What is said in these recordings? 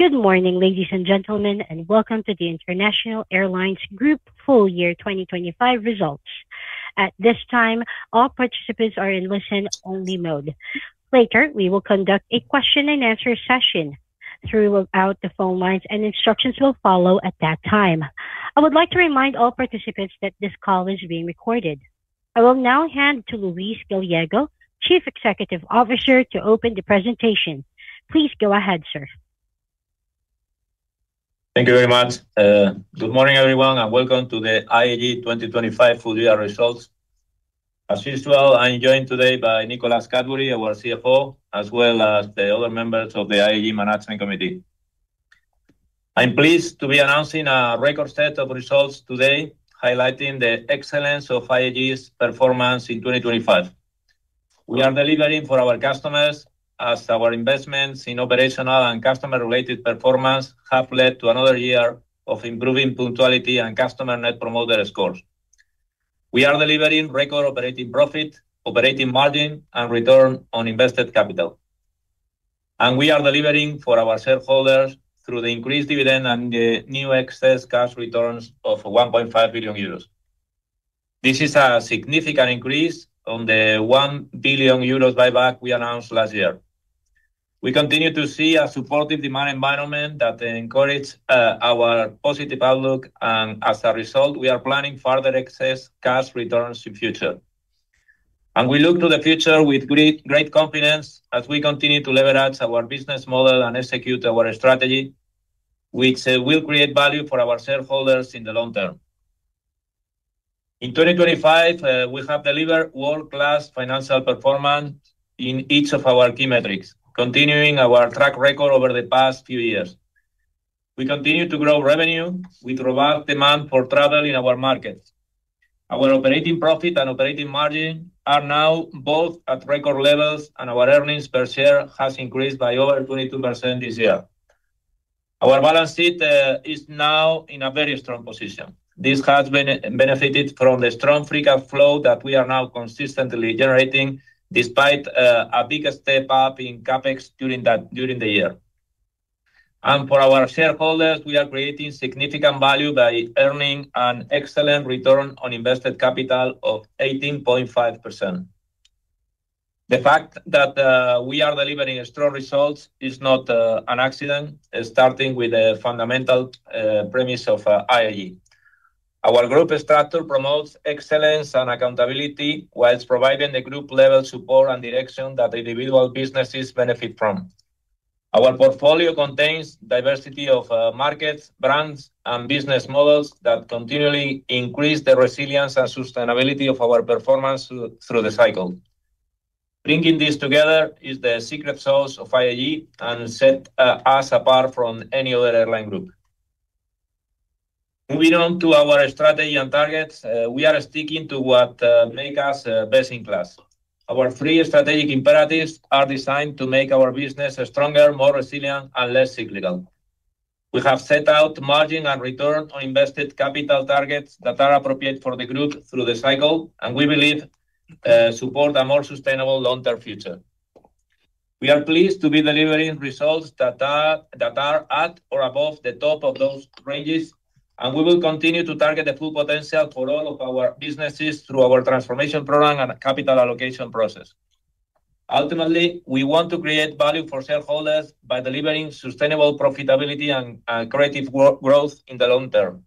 Good morning, ladies and gentlemen. Welcome to the International Airlines Group full year 2025 results. At this time, all participants are in listen-only mode. Later, we will conduct a question and answer session throughout the phone lines. Instructions will follow at that time. I would like to remind all participants that this call is being recorded. I will now hand to Luis Gallego, Chief Executive Officer, to open the presentation. Please go ahead, sir. Thank you very much. Good morning, everyone, and welcome to the IAG 2025 full year results. As usual, I'm joined today by Nicholas Cadbury, our CFO, as well as the other members of the IAG Management Committee. I'm pleased to be announcing a record set of results today, highlighting the excellence of IAG's performance in 2025. We are delivering for our customers, as our investments in operational and customer-related performance have led to another year of improving punctuality and customer net promoter scores. We are delivering record operating profit, operating margin, and return on invested capital. We are delivering for our shareholders through the increased dividend and the new excess cash returns of 1.5 billion euros. This is a significant increase on the 1 billion euros buyback we announced last year. We continue to see a supportive demand environment that encourage our positive outlook, and as a result, we are planning further excess cash returns in future. We look to the future with great confidence as we continue to leverage our business model and execute our strategy, which will create value for our shareholders in the long term. In 2025, we have delivered world-class financial performance in each of our key metrics, continuing our track record over the past few years. We continue to grow revenue with robust demand for travel in our markets. Our operating profit and operating margin are now both at record levels, and our earnings per share has increased by over 22% this year. Our balance sheet is now in a very strong position. This has been benefited from the strong free cash flow that we are now consistently generating, despite a bigger step up in CapEx during the year. For our shareholders, we are creating significant value by earning an excellent return on invested capital of 18.5%. The fact that we are delivering strong results is not an accident, starting with the fundamental premise of IAG. Our group structure promotes excellence and accountability whilst providing the group level support and direction that individual businesses benefit from. Our portfolio contains diversity of markets, brands, and business models that continually increase the resilience and sustainability of our performance through the cycle. Bringing this together is the secret sauce of IAG and set us apart from any other airline group. Moving on to our strategy and targets, we are sticking to what make us best in class. Our three strategic imperatives are designed to make our business stronger, more resilient, and less cyclical. We have set out margin and return on invested capital targets that are appropriate for the group through the cycle, and we believe support a more sustainable long-term future. We are pleased to be delivering results that are at or above the top of those ranges, and we will continue to target the full potential for all of our businesses through our transformation program and capital allocation process. Ultimately, we want to create value for shareholders by delivering sustainable profitability and creative growth in the long term.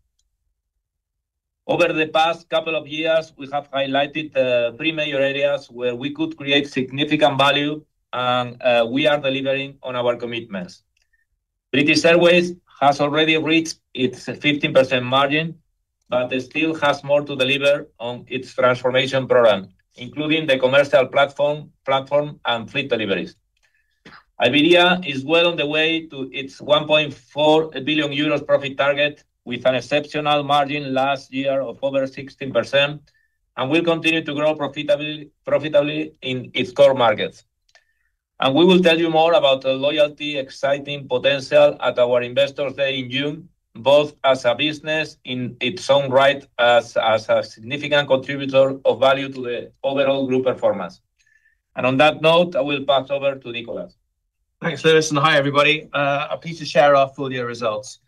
Over the past couple of years, we have highlighted three major areas where we could create significant value we are delivering on our commitments. British Airways has already reached its 15% margin. It still has more to deliver on its transformation program, including the commercial platform and fleet deliveries. Iberia is well on the way to its 1.4 billion euros profit target, with an exceptional margin last year of over 16%. It will continue to grow profitably in its core markets. We will tell you more about the loyalty, exciting potential at our Investor Day in June, both as a business in its own right, as a significant contributor of value to the overall group performance. On that note, I will pass over to Nicholas. Thanks, Luis. Hi, everybody. I'm pleased to share our full year results.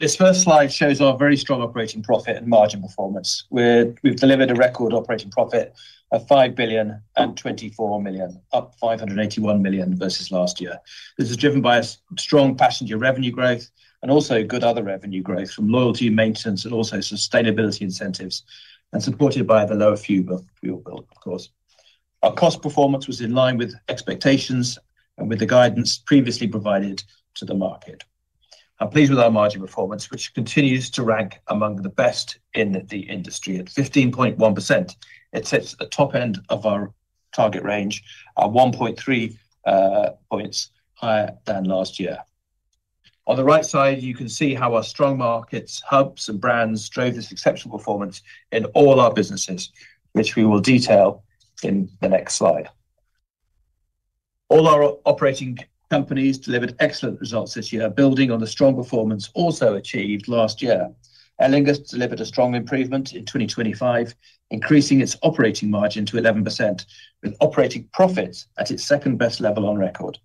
This first slide shows our very strong operating profit and margin performance, where we've delivered a record operating profit of 5.024 billion, up 581 million versus last year. This is driven by a strong passenger revenue growth and also good other revenue growth from loyalty, maintenance, and also sustainability incentives, and supported by the lower fuel bill, of course. Our cost performance was in line with expectations and with the guidance previously provided to the market. I'm pleased with our margin performance, which continues to rank among the best in the industry. At 15.1%, it sits at the top end of our target range, at 1.3 points higher than last year. On the right side, you can see how our strong markets, hubs, and brands drove this exceptional performance in all our businesses, which we will detail in the next slide. All our operating companies delivered excellent results this year, building on the strong performance also achieved last year. Aer Lingus delivered a strong improvement in 2025, increasing its operating margin to 11%, with operating profits at its second-best level on record.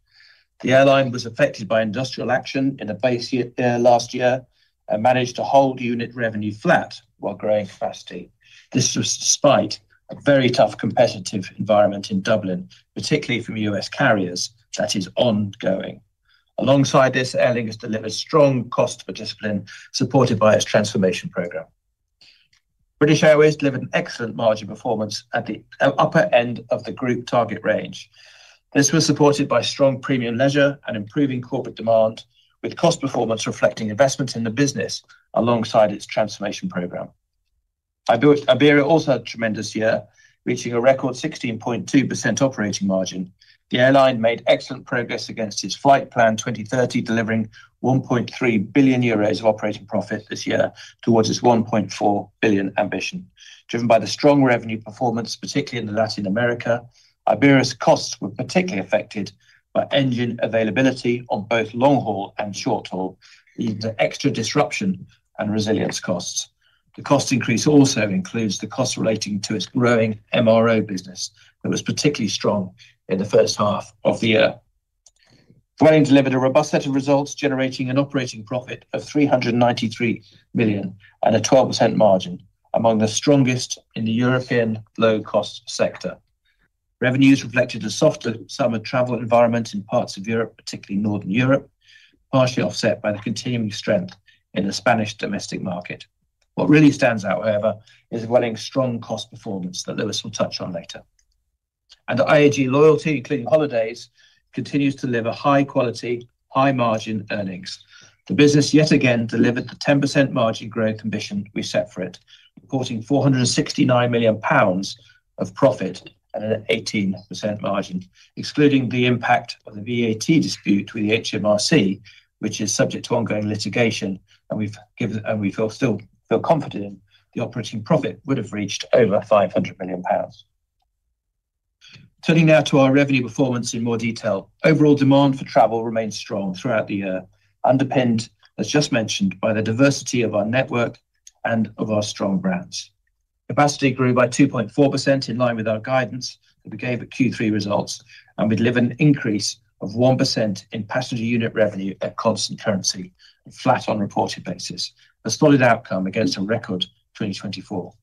The airline was affected by industrial action in a base year, last year, and managed to hold unit revenue flat while growing capacity. This was despite a very tough competitive environment in Dublin, particularly from U.S. carriers, that is ongoing. Alongside this, Aer Lingus delivered strong cost discipline, supported by its transformation program. British Airways delivered an excellent margin performance at the upper end of the group target range. This was supported by strong premium leisure and improving corporate demand, with cost performance reflecting investments in the business alongside its transformation program. Iberia also had a tremendous year, reaching a record 16.2% operating margin. The airline made excellent progress against its Flight Plan 2030, delivering 1.3 billion euros of operating profit this year towards its 1.4 billion ambition. Driven by the strong revenue performance, particularly in Latin America, Iberia's costs were particularly affected by engine availability on both long-haul and short-haul, leading to extra disruption and resilience costs. The cost increase also includes the costs relating to its growing MRO business, that was particularly strong in the first half of the year. Vueling delivered a robust set of results, generating an operating profit of 393 million and a 12% margin, among the strongest in the European low-cost sector. Revenues reflected a softer summer travel environment in parts of Europe, particularly Northern Europe, partially offset by the continuing strength in the Spanish domestic market. What really stands out, however, is Vueling's strong cost performance that Luis will touch on later. The IAG Loyalty, including Holidays, continues to deliver high quality, high margin earnings. The business yet again delivered the 10% margin growth ambition we set for it, reporting 469 million pounds of profit at an 18% margin. Excluding the impact of the VAT dispute with the HMRC, which is subject to ongoing litigation, and we feel still feel confident the operating profit would have reached over 500 million pounds. Turning now to our revenue performance in more detail. Overall demand for travel remained strong throughout the year, underpinned, as just mentioned, by the diversity of our network and of our strong brands. Capacity grew by 2.4%, in line with our guidance that we gave at Q3 results, and we delivered an increase of 1% in passenger unit revenue at constant currency and flat on a reported basis, a solid outcome against a record 2024.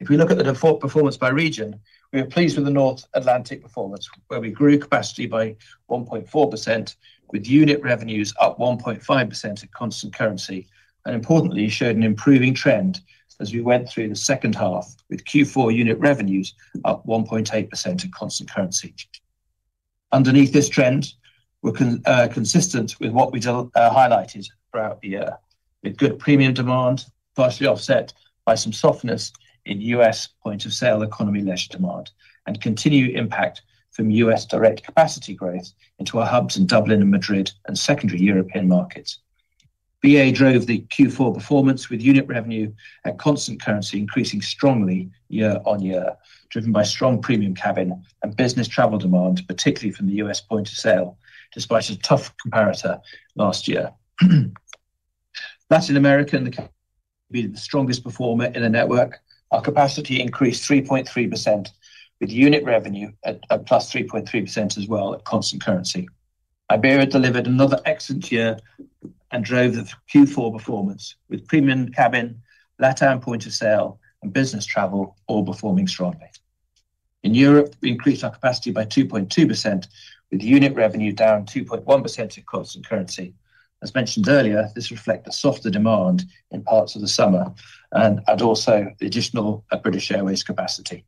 If we look at the default performance by region, we are pleased with the North Atlantic performance, where we grew capacity by 1.4%, with unit revenues up 1.5% at constant currency, and importantly showed an improving trend as we went through the second half, with Q4 unit revenues up 1.8% in constant currency. Underneath this trend, we're consistent with what we highlighted throughout the year, with good premium demand partially offset by some softness in U.S. point-of-sale economy leisure demand and continued impact from U.S. direct capacity growth into our hubs in Dublin and Madrid and secondary European markets. BA drove the Q4 performance with unit revenue at constant currency increasing strongly year-on-year, driven by strong premium cabin and business travel demand, particularly from the U.S. point of sale, despite a tough comparator last year. Latin America and the be the strongest performer in the network. Our capacity increased 3.3%, with unit revenue at +3.3% as well at constant currency. Iberia delivered another excellent year and drove the Q4 performance, with premium cabin, LatAm point-of-sale, and business travel all performing strongly. In Europe, we increased our capacity by 2.2%, with unit revenue down 2.1% at constant currency. As mentioned earlier, this reflect the softer demand in parts of the summer and also the additional British Airways capacity.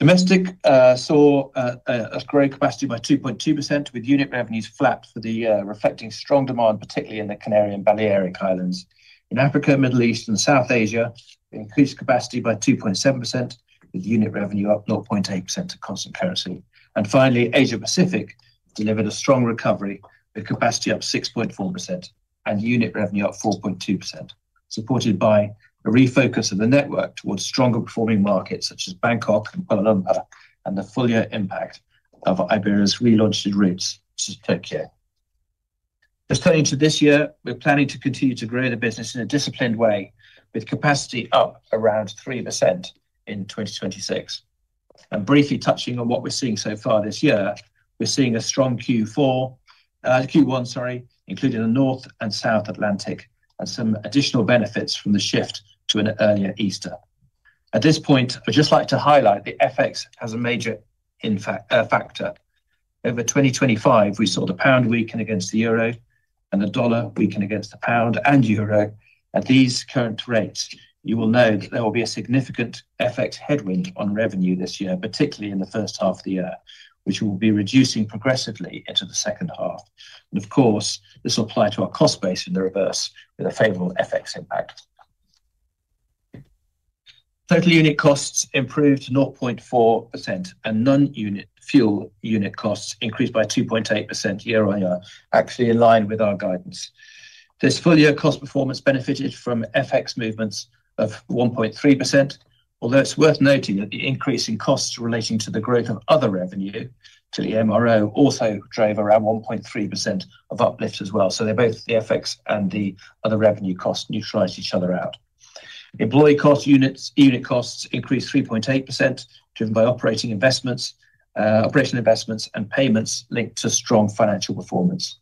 Domestic saw a great capacity by 2.2%, with unit revenues flat for the year, reflecting strong demand, particularly in the Canary and Balearic Islands. In Africa, Middle East, and South Asia, we increased capacity by 2.7%, with unit revenue up 0.8% at constant currency. Finally, Asia Pacific delivered a strong recovery, with capacity up 6.4% and unit revenue up 4.2%, supported by a refocus of the network towards stronger performing markets such as Bangkok and Kuala Lumpur, and the full year impact of Iberia's relaunched routes to Tokyo. Just turning to this year, we're planning to continue to grow the business in a disciplined way, with capacity up around 3% in 2026. Briefly touching on what we're seeing so far this year, we're seeing a strong Q4, Q1, sorry, including the North and South Atlantic, and some additional benefits from the shift to an earlier Easter. At this point, I'd just like to highlight the FX as a major factor. Over 2025, we saw the pound weaken against the euro and the dollar weaken against the pound and euro. At these current rates, you will know that there will be a significant FX headwind on revenue this year, particularly in the first half of the year, which will be reducing progressively into the second half. This will apply to our cost base in the reverse with a favorable FX impact. Total unit costs improved 0.4%, and non-unit fuel unit costs increased by 2.8% year-on-year, actually in line with our guidance. This full-year cost performance benefited from FX movements of 1.3%, although it's worth noting that the increase in costs relating to the growth of other revenue to the MRO also drove around 1.3% of uplift as well. They're both the FX and the other revenue costs neutralized each other out. Employee cost units, unit costs increased 3.8%, driven by operating investments, operation investments, and payments linked to strong financial performance.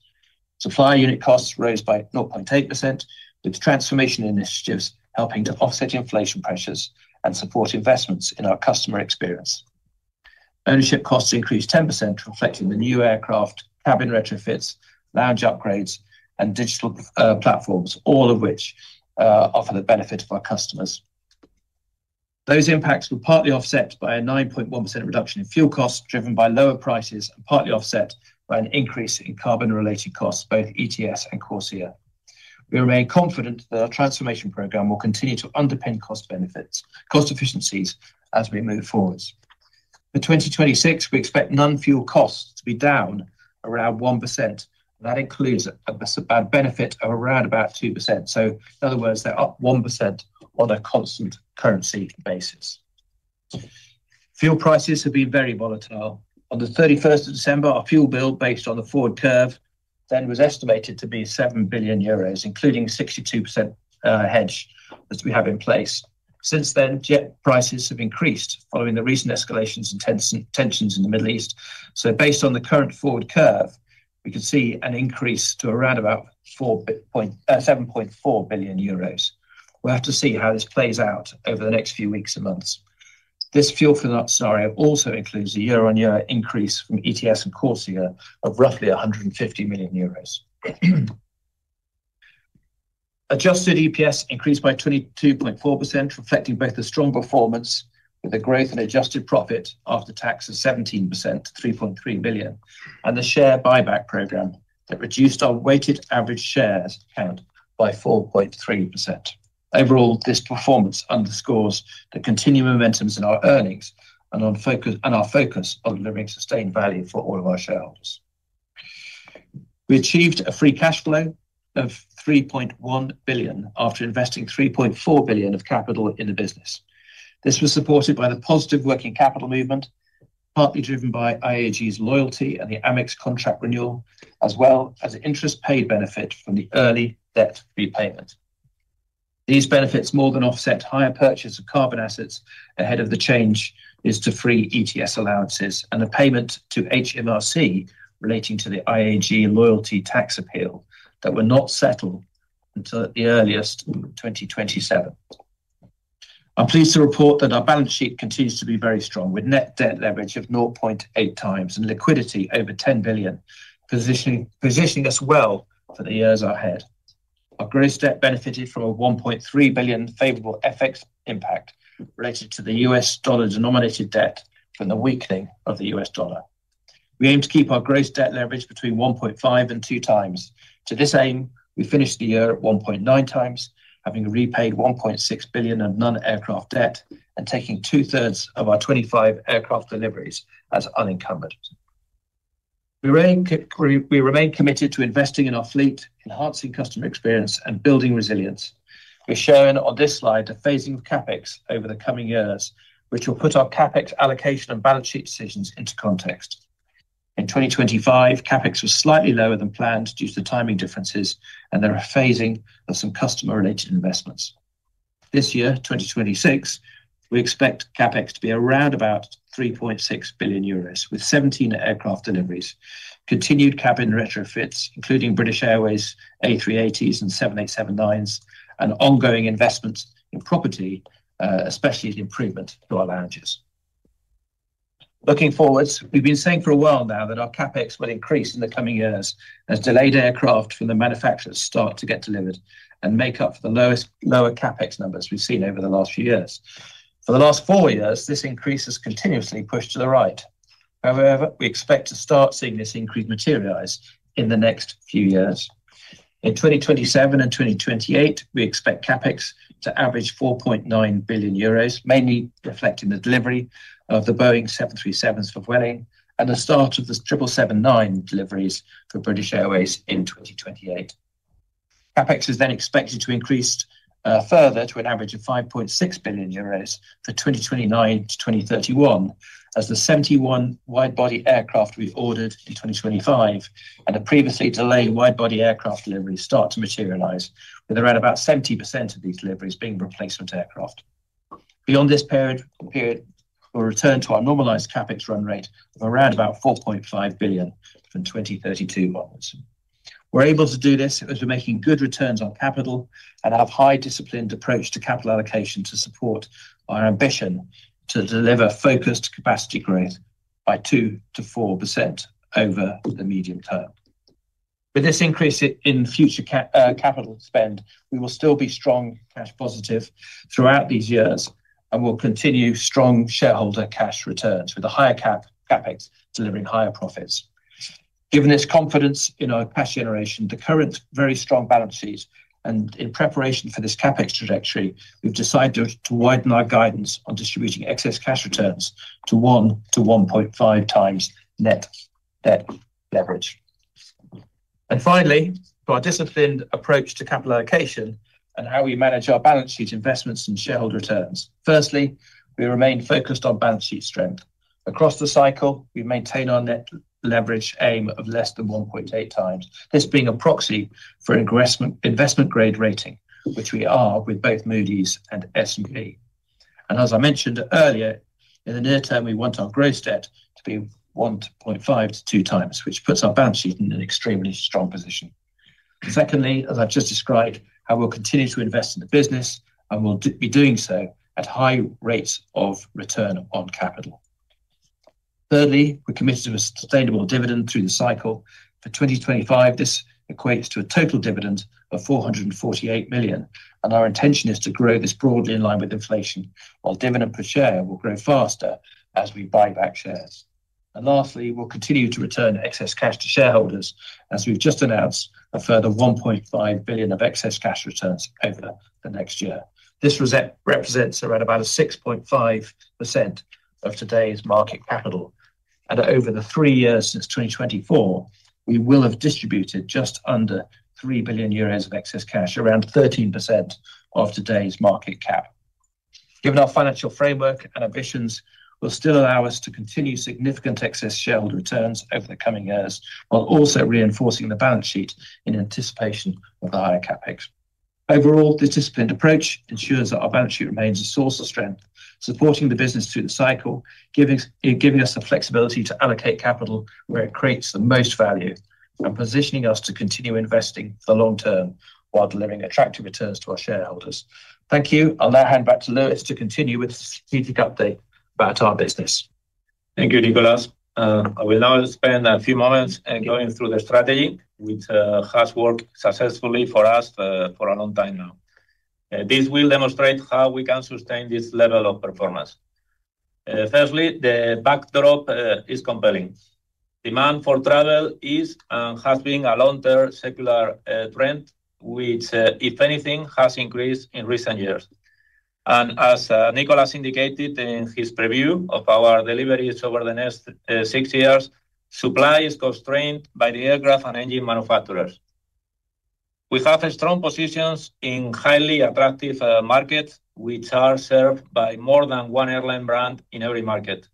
Supply unit costs rose by 0.8%, with transformation initiatives helping to offset inflation pressures and support investments in our customer experience. Ownership costs increased 10%, reflecting the new aircraft, cabin retrofits, lounge upgrades, and digital platforms, all of which offer the benefit of our customers. Those impacts were partly offset by a 9.1% reduction in fuel costs, driven by lower prices, and partly offset by an increase in carbon-related costs, both ETS and CORSIA. We remain confident that our transformation program will continue to underpin cost efficiencies as we move forwards. In 2026, we expect non-fuel costs to be down around 1%. That includes a benefit of around 2%. In other words, they're up 1% on a constant currency basis. Fuel prices have been very volatile. On the 31st of December, our fuel bill, based on the forward curve, then was estimated to be 7 billion euros, including 62% hedge as we have in place. Since then, jet prices have increased following the recent escalations and tensions in the Middle East. Based on the current forward curve, we could see an increase to around about 7.4 billion euros. We'll have to see how this plays out over the next few weeks and months. This fuel for that scenario also includes a year-on-year increase from ETS and CORSIA of roughly 150 million euros. Adjusted EPS increased by 22.4%, reflecting both the strong performance with a growth in adjusted profit after tax of 17% to 3.3 billion, and the share buyback program that reduced our weighted average shares count by 4.3%. Overall, this performance underscores the continuing momentums in our earnings and our focus on delivering sustained value for all of our shareholders. We achieved a free cash flow of 3.1 billion after investing 3.4 billion of capital in the business. This was supported by the positive working capital movement, partly driven by IAG Loyalty and the AmEx contract renewal, as well as the interest paid benefit from the early debt repayment. These benefits more than offset higher purchase of carbon assets ahead of the change is to free ETS allowances and a payment to HMRC relating to the IAG Loyalty tax appeal that were not settled until at the earliest in 2027. I'm pleased to report that our balance sheet continues to be very strong, with net debt leverage of 0.8x and liquidity over 10 billion, positioning us well for the years ahead. Our gross debt benefited from a $1.3 billion favorable FX impact related to the U.S. dollar-denominated debt from the weakening of the U.S. dollar. We aim to keep our gross debt leverage between 1.5x and 2x. To this aim, we finished the year at 1.9x, having repaid 1.6 billion of non-aircraft debt and taking 2/3 of our 25 aircraft deliveries as unencumbered. We remain committed to investing in our fleet, enhancing customer experience, and building resilience. We're showing on this slide the phasing of CapEx over the coming years, which will put our CapEx allocation and balance sheet decisions into context. In 2025, CapEx was slightly lower than planned due to the timing differences, there are phasing of some customer-related investments. This year, 2026, we expect CapEx to be around about 3.6 billion euros, with 17 aircraft deliveries, continued cabin retrofits, including British Airways, A380s and 787-9s, ongoing investment in property, especially the improvement to our lounges. Looking forwards, we've been saying for a while now that our CapEx will increase in the coming years as delayed aircraft from the manufacturers start to get delivered and make up for the lower CapEx numbers we've seen over the last few years. For the last four years, this increase has continuously pushed to the right. However, we expect to start seeing this increase materialize in the next few years. In 2027 and 2028, we expect CapEx to average 4.9 billion euros, mainly reflecting the delivery of the Boeing 737s for Vueling, and the start of the 777-9 deliveries for British Airways in 2028. CapEx is then expected to increase further to an average of 5.6 billion euros for 2029-2031, as the 71 wide-body aircraft we've ordered in 2025 and the previously delayed wide-body aircraft deliveries start to materialize, with around about 70% of these deliveries being replacement aircraft. Beyond this period, we'll return to our normalized CapEx run rate of around about 4.5 billion from 2032 onwards. We're able to do this as we're making good returns on capital and have high disciplined approach to capital allocation to support our ambition to deliver focused capacity growth by 2%-4% over the medium term. With this increase in future capital spend, we will still be strong cash positive throughout these years and will continue strong shareholder cash returns, with a higher CapEx delivering higher profits. Given this confidence in our cash generation, the current very strong balance sheet. In preparation for this CapEx trajectory, we've decided to widen our guidance on distributing excess cash returns to 1x-1.5x net debt leverage. Finally, our disciplined approach to capital allocation and how we manage our balance sheet investments and shareholder returns. Firstly, we remain focused on balance sheet strength. Across the cycle, we maintain our net leverage aim of less than 1.8x. This being a proxy for investment grade rating, which we are with both Moody's and S&P. As I mentioned earlier, in the near term, we want our gross debt to be 1.5x-2x, which puts our balance sheet in an extremely strong position. Secondly, as I've just described, I will continue to invest in the business, and will be doing so at high rates of return on capital. Thirdly, we're committed to a sustainable dividend through the cycle. For 2025, this equates to a total dividend of 448 million, and our intention is to grow this broadly in line with inflation, while dividend per share will grow faster as we buy back shares. Lastly, we'll continue to return excess cash to shareholders, as we've just announced a further 1.5 billion of excess cash returns over the next year. This reset represents around about a 6.5% of today's market capital, and over the three years since 2024, we will have distributed just under 3 billion euros of excess cash, around 13% of today's market cap. Given our financial framework and ambitions, will still allow us to continue significant excess shareholder returns over the coming years, while also reinforcing the balance sheet in anticipation of the higher CapEx. Overall, this disciplined approach ensures that our balance sheet remains a source of strength, supporting the business through the cycle, giving us the flexibility to allocate capital where it creates the most value, and positioning us to continue investing for the long term while delivering attractive returns to our shareholders. Thank you. I'll now hand back to Luis to continue with the strategic update about our business. Thank you, Nicholas. I will now spend a few moments in going through the strategy, which has worked successfully for us for a long time now. This will demonstrate how we can sustain this level of performance. Firstly, the backdrop is compelling. Demand for travel is has been a long-term secular trend, which, if anything, has increased in recent years. As Nicholas indicated in his preview of our deliveries over the next six years, supply is constrained by the aircraft and engine manufacturers. We have strong positions in highly attractive markets, which are served by more than one airline brand in every market.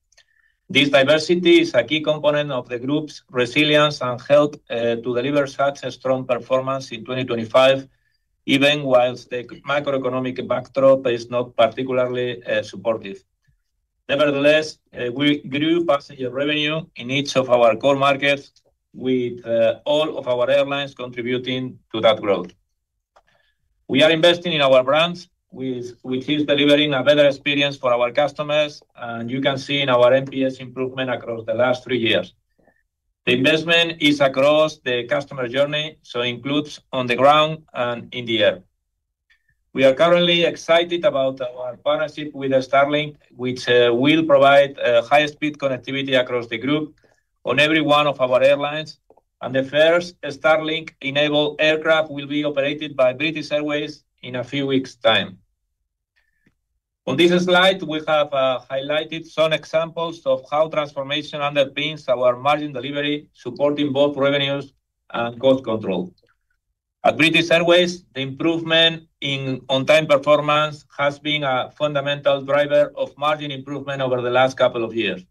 This diversity is a key component of the group's resilience and help to deliver such a strong performance in 2025, even whilst the macroeconomic backdrop is not particularly supportive. Nevertheless, we grew passenger revenue in each of our core markets, with all of our airlines contributing to that growth. We are investing in our brands, which is delivering a better experience for our customers. You can see in our NPS improvement across the last three years. The investment is across the customer journey, includes on the ground and in the air. We are currently excited about our partnership with Starlink, which will provide high-speed connectivity across the group on every one of our airlines. The first Starlink-enabled aircraft will be operated by British Airways in a few weeks' time. On this slide, we have highlighted some examples of how transformation underpins our margin delivery, supporting both revenues and cost control. At British Airways, the improvement in on-time performance has been a fundamental driver of margin improvement over the last couple of years.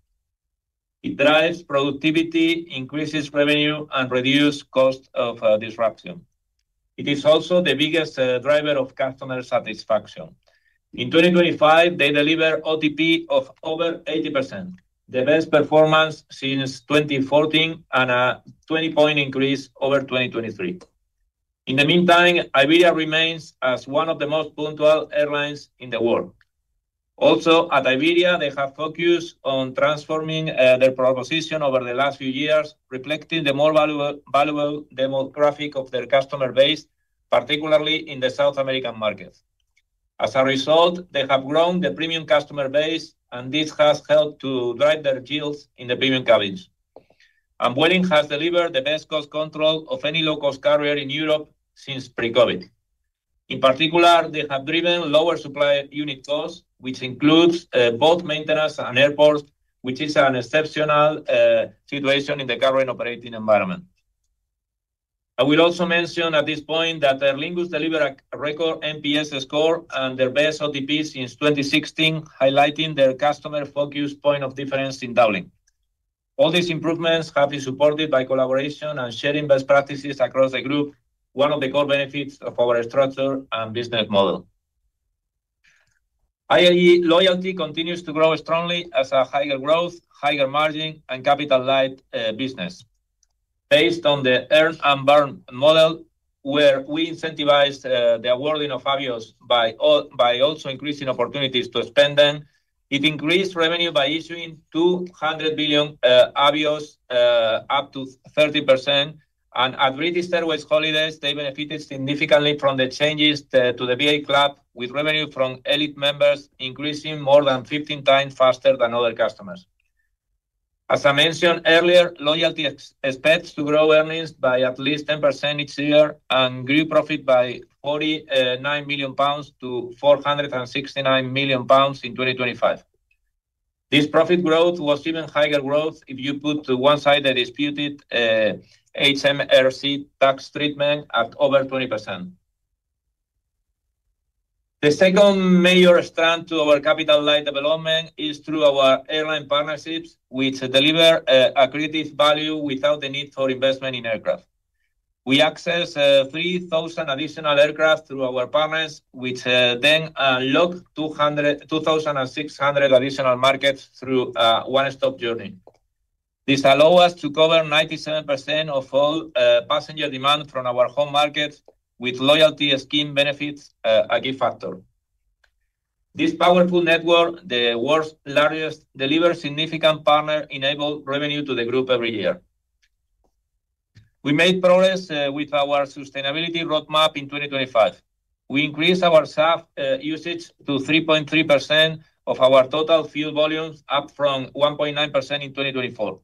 It drives productivity, increases revenue, and reduce cost of disruption. It is also the biggest driver of customer satisfaction. In 2025, they deliver OTP of over 80%, the best performance since 2014 and a 20-point increase over 2023. In the meantime, Iberia remains as one of the most punctual airlines in the world. At Iberia, they have focused on transforming their proposition over the last few years, reflecting the more valuable demographic of their customer base, particularly in the South American market. As a result, they have grown the premium customer base, and this has helped to drive their yields in the premium cabins. Vueling has delivered the best cost control of any low-cost carrier in Europe since pre-COVID. In particular, they have driven lower supply unit costs, which includes both maintenance and airports, which is an exceptional situation in the current operating environment. I will also mention at this point that Aer Lingus delivered a record NPS score and their best OTP since 2016, highlighting their customer-focused point of difference in traveling. All these improvements have been supported by collaboration and sharing best practices across the group, one of the core benefits of our structure and business model. IAG Loyalty continues to grow strongly as a higher growth, higher margin, and capital light business. Based on the earn and burn model, where we incentivized the awarding of Avios by also increasing opportunities to spend them, it increased revenue by issuing 200 billion Avios up to 30%. At British Airways Holidays, they benefited significantly from the changes to the BA Club, with revenue from elite members increasing more than 15 times faster than other customers. As I mentioned earlier, Loyalty expects to grow earnings by at least 10% each year and group profit by 49 million pounds to 469 million pounds in 2025. This profit growth was even higher growth if you put to one side the disputed HMRC tax treatment at over 20%. The second major strand to our capital light development is through our airline partnerships, which deliver accretive value without the need for investment in aircraft. We access 3,000 additional aircraft through our partners, which then lock 2,600 additional markets through one-stop journey. This allow us to cover 97% of all passenger demand from our home markets with loyalty scheme benefits, a key factor. This powerful network, the world's largest, delivers significant partner-enabled revenue to the group every year. We made progress with our sustainability roadmap in 2025. We increased our SAF usage to 3.3% of our total fuel volumes, up from 1.9% in 2024.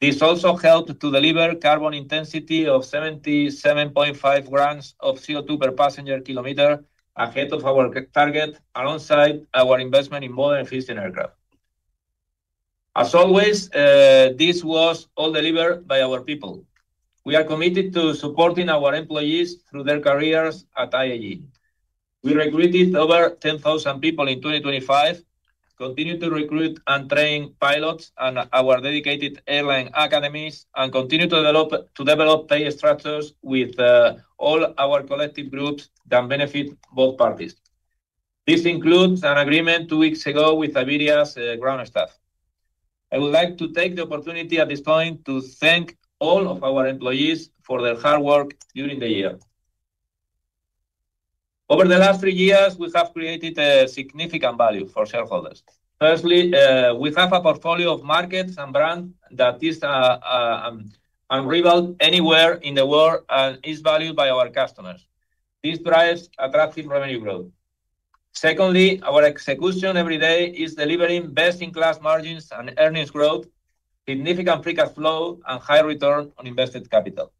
This also helped to deliver carbon intensity of 77.5 grams of CO2 per passenger kilometer, ahead of our target, alongside our investment in more efficient aircraft. As always, this was all delivered by our people. We are committed to supporting our employees through their careers at IAG. We recruited over 10,000 people in 2025, continued to recruit and train pilots in our dedicated airline academies, and continued to develop pay structures with all our collective groups that benefit both parties. This includes an agreement two weeks ago with Iberia's ground staff. I would like to take the opportunity at this point to thank all of our employees for their hard work during the year. Over the last three years, we have created significant value for shareholders. Firstly, we have a portfolio of markets and brands that is unrivaled anywhere in the world and is valued by our customers. This drives attractive revenue growth. Secondly, our execution every day is delivering best-in-class margins and earnings growth, significant free cash flow, and high return on invested capital.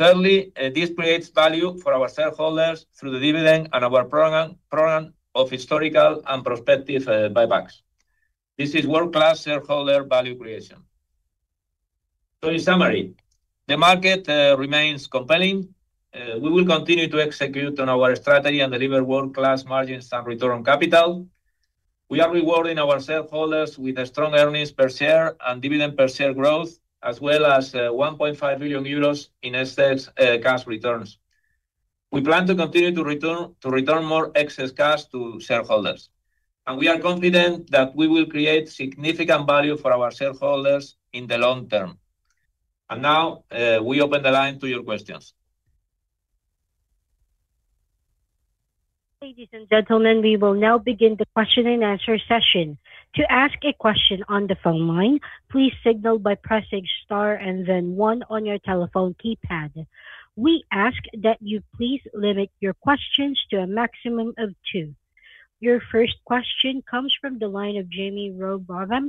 Thirdly, this creates value for our shareholders through the dividend and our program of historical and prospective buybacks. This is world-class shareholder value creation. In summary, the market remains compelling. We will continue to execute on our strategy and deliver world-class margins and return on capital. We are rewarding our shareholders with a strong earnings per share and dividend per share growth, as well as 1.5 billion euros in excess cash returns. We plan to continue to return more excess cash to shareholders, and we are confident that we will create significant value for our shareholders in the long term. Now, we open the line to your questions. Ladies and gentlemen, we will now begin the question-and-answer session. To ask a question on the phone line, please signal by pressing star and then one on your telephone keypad. We ask that you please limit your questions to a maximum of two. Your first question comes from the line of Jaime Rowbotham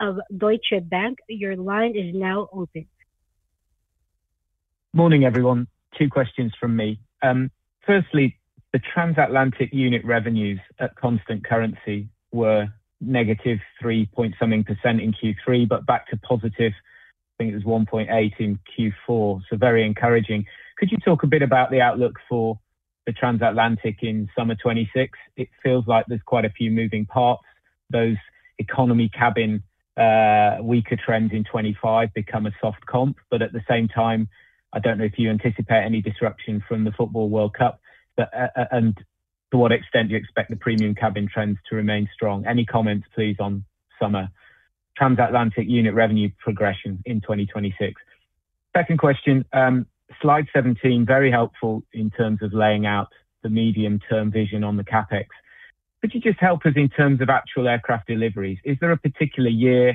of Deutsche Bank. Your line is now open. Morning, everyone. Two questions from me. Firstly, the transatlantic unit revenues at constant currency were -3 point something percent in Q3, but back to positive, I think it was 1.8% in Q4, so very encouraging. Could you talk a bit about the outlook for the transatlantic in summer 2026? It feels like there's quite a few moving parts. Those economy cabin weaker trend in 2025 become a soft comp, but at the same time, I don't know if you anticipate any disruption from the Football World Cup. To what extent do you expect the premium cabin trends to remain strong? Any comments, please, on summer transatlantic unit revenue progression in 2026. Second question, slide 17, very helpful in terms of laying out the medium-term vision on the CapEx. Could you just help us in terms of actual aircraft deliveries? Is there a particular year,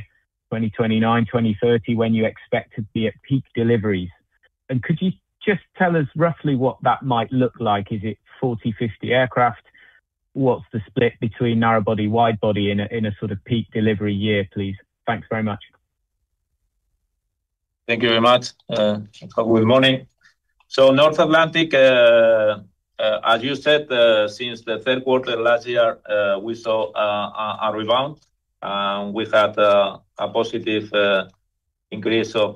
2029, 2030, when you expect to be at peak deliveries? Could you just tell us roughly what that might look like? Is it 40, 50 aircraft? What's the split between narrow body, wide body in a, in a sort of peak delivery year, please? Thanks very much. Thank you very much. Good morning. North Atlantic, as you said, since the third quarter of last year, we saw a rebound, with that a positive increase of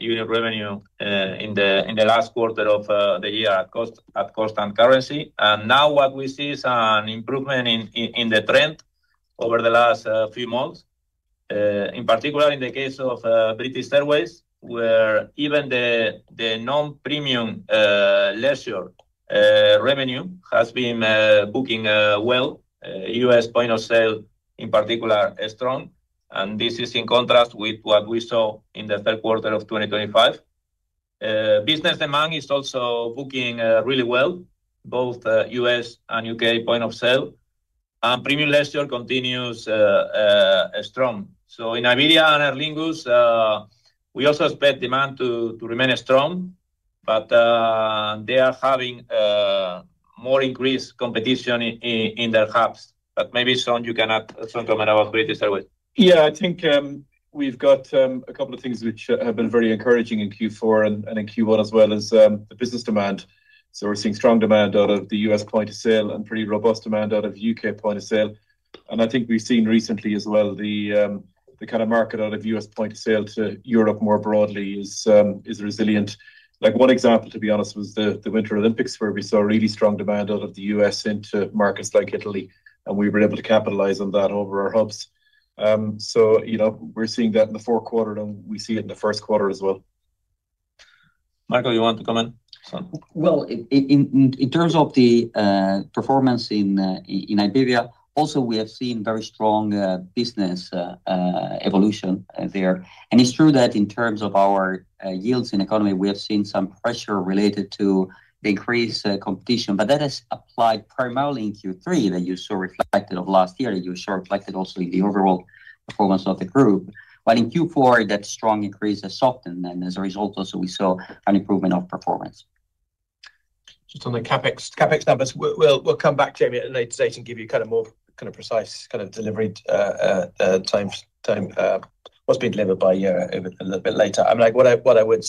unit revenue, in the last quarter of the year at cost, at cost and currency. Now what we see is an improvement in the trend over the last few months. In particular, in the case of British Airways, where even the non-premium leisure revenue has been booking well. U.S. point of sale in particular is strong, and this is in contrast with what we saw in the third quarter of 2025. Business demand is also booking really well, both U.S. and U.K. point of sale, and premium leisure continues strong. In Iberia and Aer Lingus, we also expect demand to remain strong. But they are having more increased competition in their hubs. Maybe Sean, you can add some comment about British Airways. Yeah, I think, we've got a couple of things which have been very encouraging in Q4 and in Q1, as well as the business demand. We're seeing strong demand out of the U.S. point of sale and pretty robust demand out of U.K. point of sale. I think we've seen recently as well, the kind of market out of U.S. point of sale to Europe more broadly is resilient. Like one example, to be honest, was the Winter Olympics, where we saw really strong demand out of the U.S. into markets like Italy, and we were able to capitalize on that over our hubs. You know, we're seeing that in the fourth quarter, and we see it in the first quarter as well. Marco, you want to comment? Well, in terms of the performance in Iberia, also we have seen very strong business evolution there. It's true that in terms of our yields and economy, we have seen some pressure related to the increased competition, but that has applied primarily in Q3, that you saw reflected of last year, also in the overall performance of the Group. In Q4, that strong increase has softened, and as a result, also we saw an improvement of performance. Just on the CapEx numbers, we'll come back, Jaime, at a later date and give you kind of more kind of precise kind of delivery time, what's been delivered by year over a little bit later. I mean, like, what I would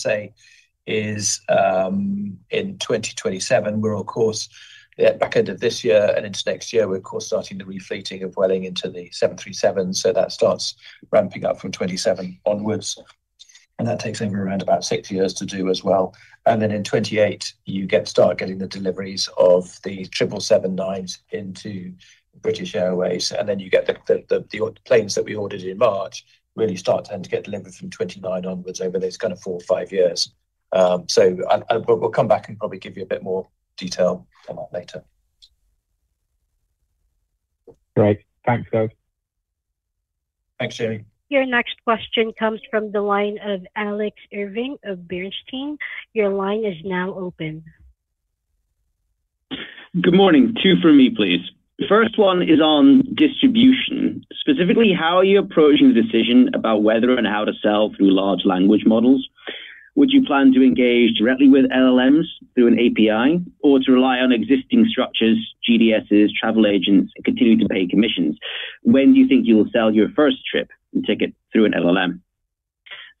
say is, in 2027, we're on course, yeah, back end of this year and into next year, we're of course starting the refleeting of Vueling into the 737. That starts ramping up from 2027 onwards, and that takes anywhere around about 6 years to do as well. Then in 2028, you start getting the deliveries of the 777-9s into British Airways, then you get the planes that we ordered in March, really start then to get delivered from 2029 onwards over those kind of four or five years. We'll come back and probably give you a bit more detail on that later. Great. Thanks, guys. Thanks, Jamie. Your next question comes from the line of Alex Irving of Bernstein. Your line is now open. Good morning. Two for me, please. The first one is on distribution. Specifically, how are you approaching the decision about whether and how to sell through large language models? Would you plan to engage directly with LLMs through an API, or to rely on existing structures, GDSs, travel agents, and continue to pay commissions? When do you think you will sell your first trip and ticket through an LLM?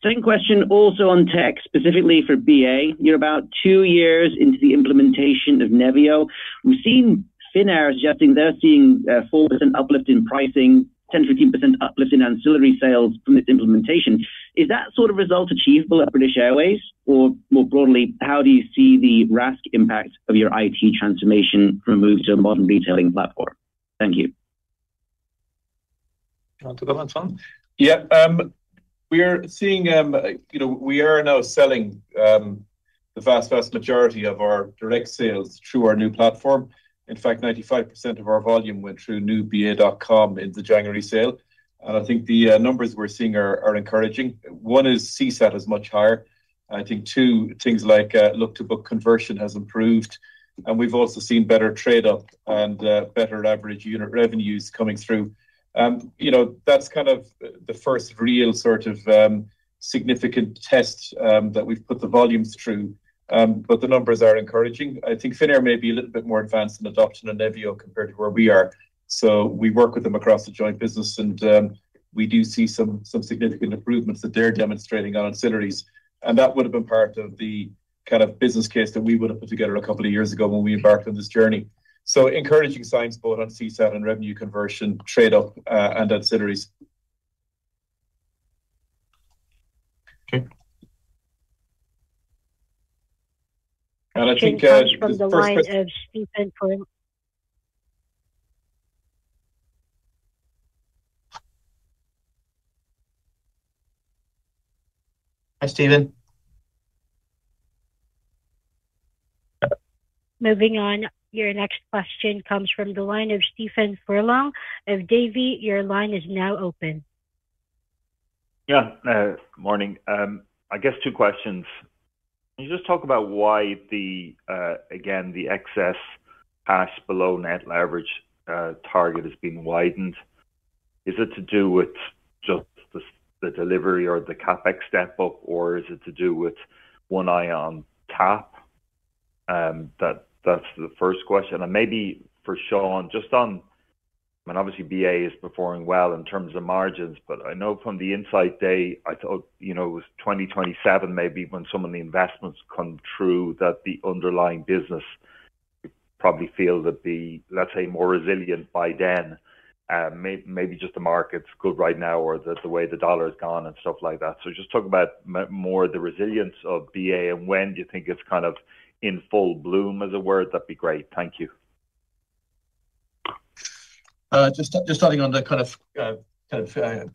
Second question, also on tech, specifically for BA. You're about two years into the implementation of Nevio. We've seen Finnair suggesting they're seeing a 4% uplift in pricing, 10%-15% uplift in ancillary sales from its implementation. Is that sort of result achievable at British Airways? Or more broadly, how do you see the RASK impact of your IT transformation from move to a modern retailing platform? Thank you. You want too comment Sean? Yeah, you know, we are now selling the vast majority of our direct sales through our new platform. In fact, 95% of our volume went through new ba.com in the January sale. I think the numbers we're seeing are encouraging. One is CSAT is much higher. I think two, things like look-to-book conversion has improved, and we've also seen better trade up and better average unit revenues coming through. You know, that's kind of the first real sort of significant test that we've put the volumes through. But the numbers are encouraging. I think Finnair may be a little bit more advanced in adoption of Nevio compared to where we are. We work with them across the joint business, and we do see some significant improvements that they're demonstrating on ancillaries. That would have been part of the kind of business case that we would have put together a couple of years ago when we embarked on this journey. Encouraging signs both on CSAT and revenue conversion, trade-up, and ancillaries. Okay. I think. From the line of Stephen Furlong. Hi, Stephen. Moving on, your next question comes from the line of Stephen Furlong of Davy. Your line is now open. Yeah, morning. I guess two questions. Can you just talk about why the, again, the excess cash below net leverage target is being widened? Is it to do with just the delivery or the CapEx step up, or is it to do with one eye on tap? That's the first question. Maybe for Sean, just on, I mean, obviously, BA is performing well in terms of margins, but I know from the insight day, I thought, you know, it was 2027, maybe when some of the investments come through, that the underlying business probably feel that the, let's say, more resilient by then. Maybe just the market's good right now or the way the dollar has gone and stuff like that. Just talk about more the resilience of BA and when do you think it's kind of in full bloom, as a word, that'd be great. Thank you. Just starting on the kind of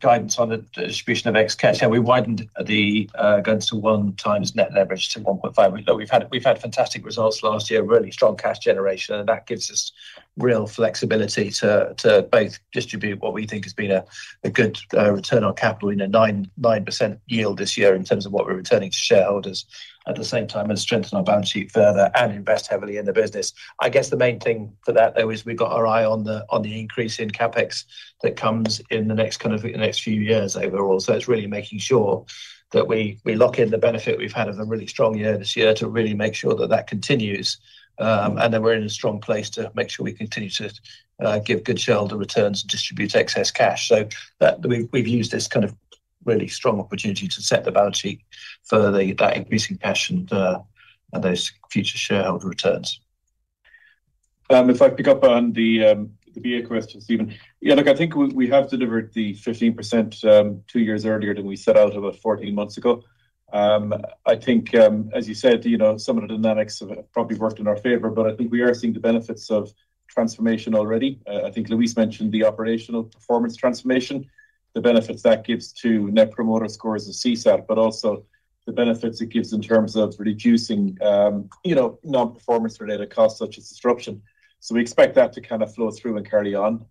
guidance on the distribution of X cash, we widened the guidance to 1x net leverage to 1.5x. We've had fantastic results last year, really strong cash generation, that gives us real flexibility to both distribute what we think has been a good return on capital in a 9% yield this year in terms of what we're returning to shareholders. At the same time, strengthen our balance sheet further and invest heavily in the business. I guess the main thing for that, though, is we've got our eye on the increase in CapEx that comes in the next kind of the next few years overall. It's really making sure that we lock in the benefit we've had of a really strong year this year to really make sure that continues, and that we're in a strong place to make sure we continue to give good shareholder returns and distribute excess cash. That we've used this really strong opportunity to set the balance sheet further that increasing cash and those future shareholder returns. If I pick up on the BA question, Stephen. I think we have delivered the 15% two years earlier than we set out about 14 months ago. I think, as you said, you know, some of the dynamics have probably worked in our favor, but I think we are seeing the benefits of transformation already. I think Luis mentioned the operational performance transformation, the benefits that gives to net promoter scores of CSAT, but also the benefits it gives in terms of reducing, you know, non-performance related costs such as disruption. We expect that to kind of flow through and carry on.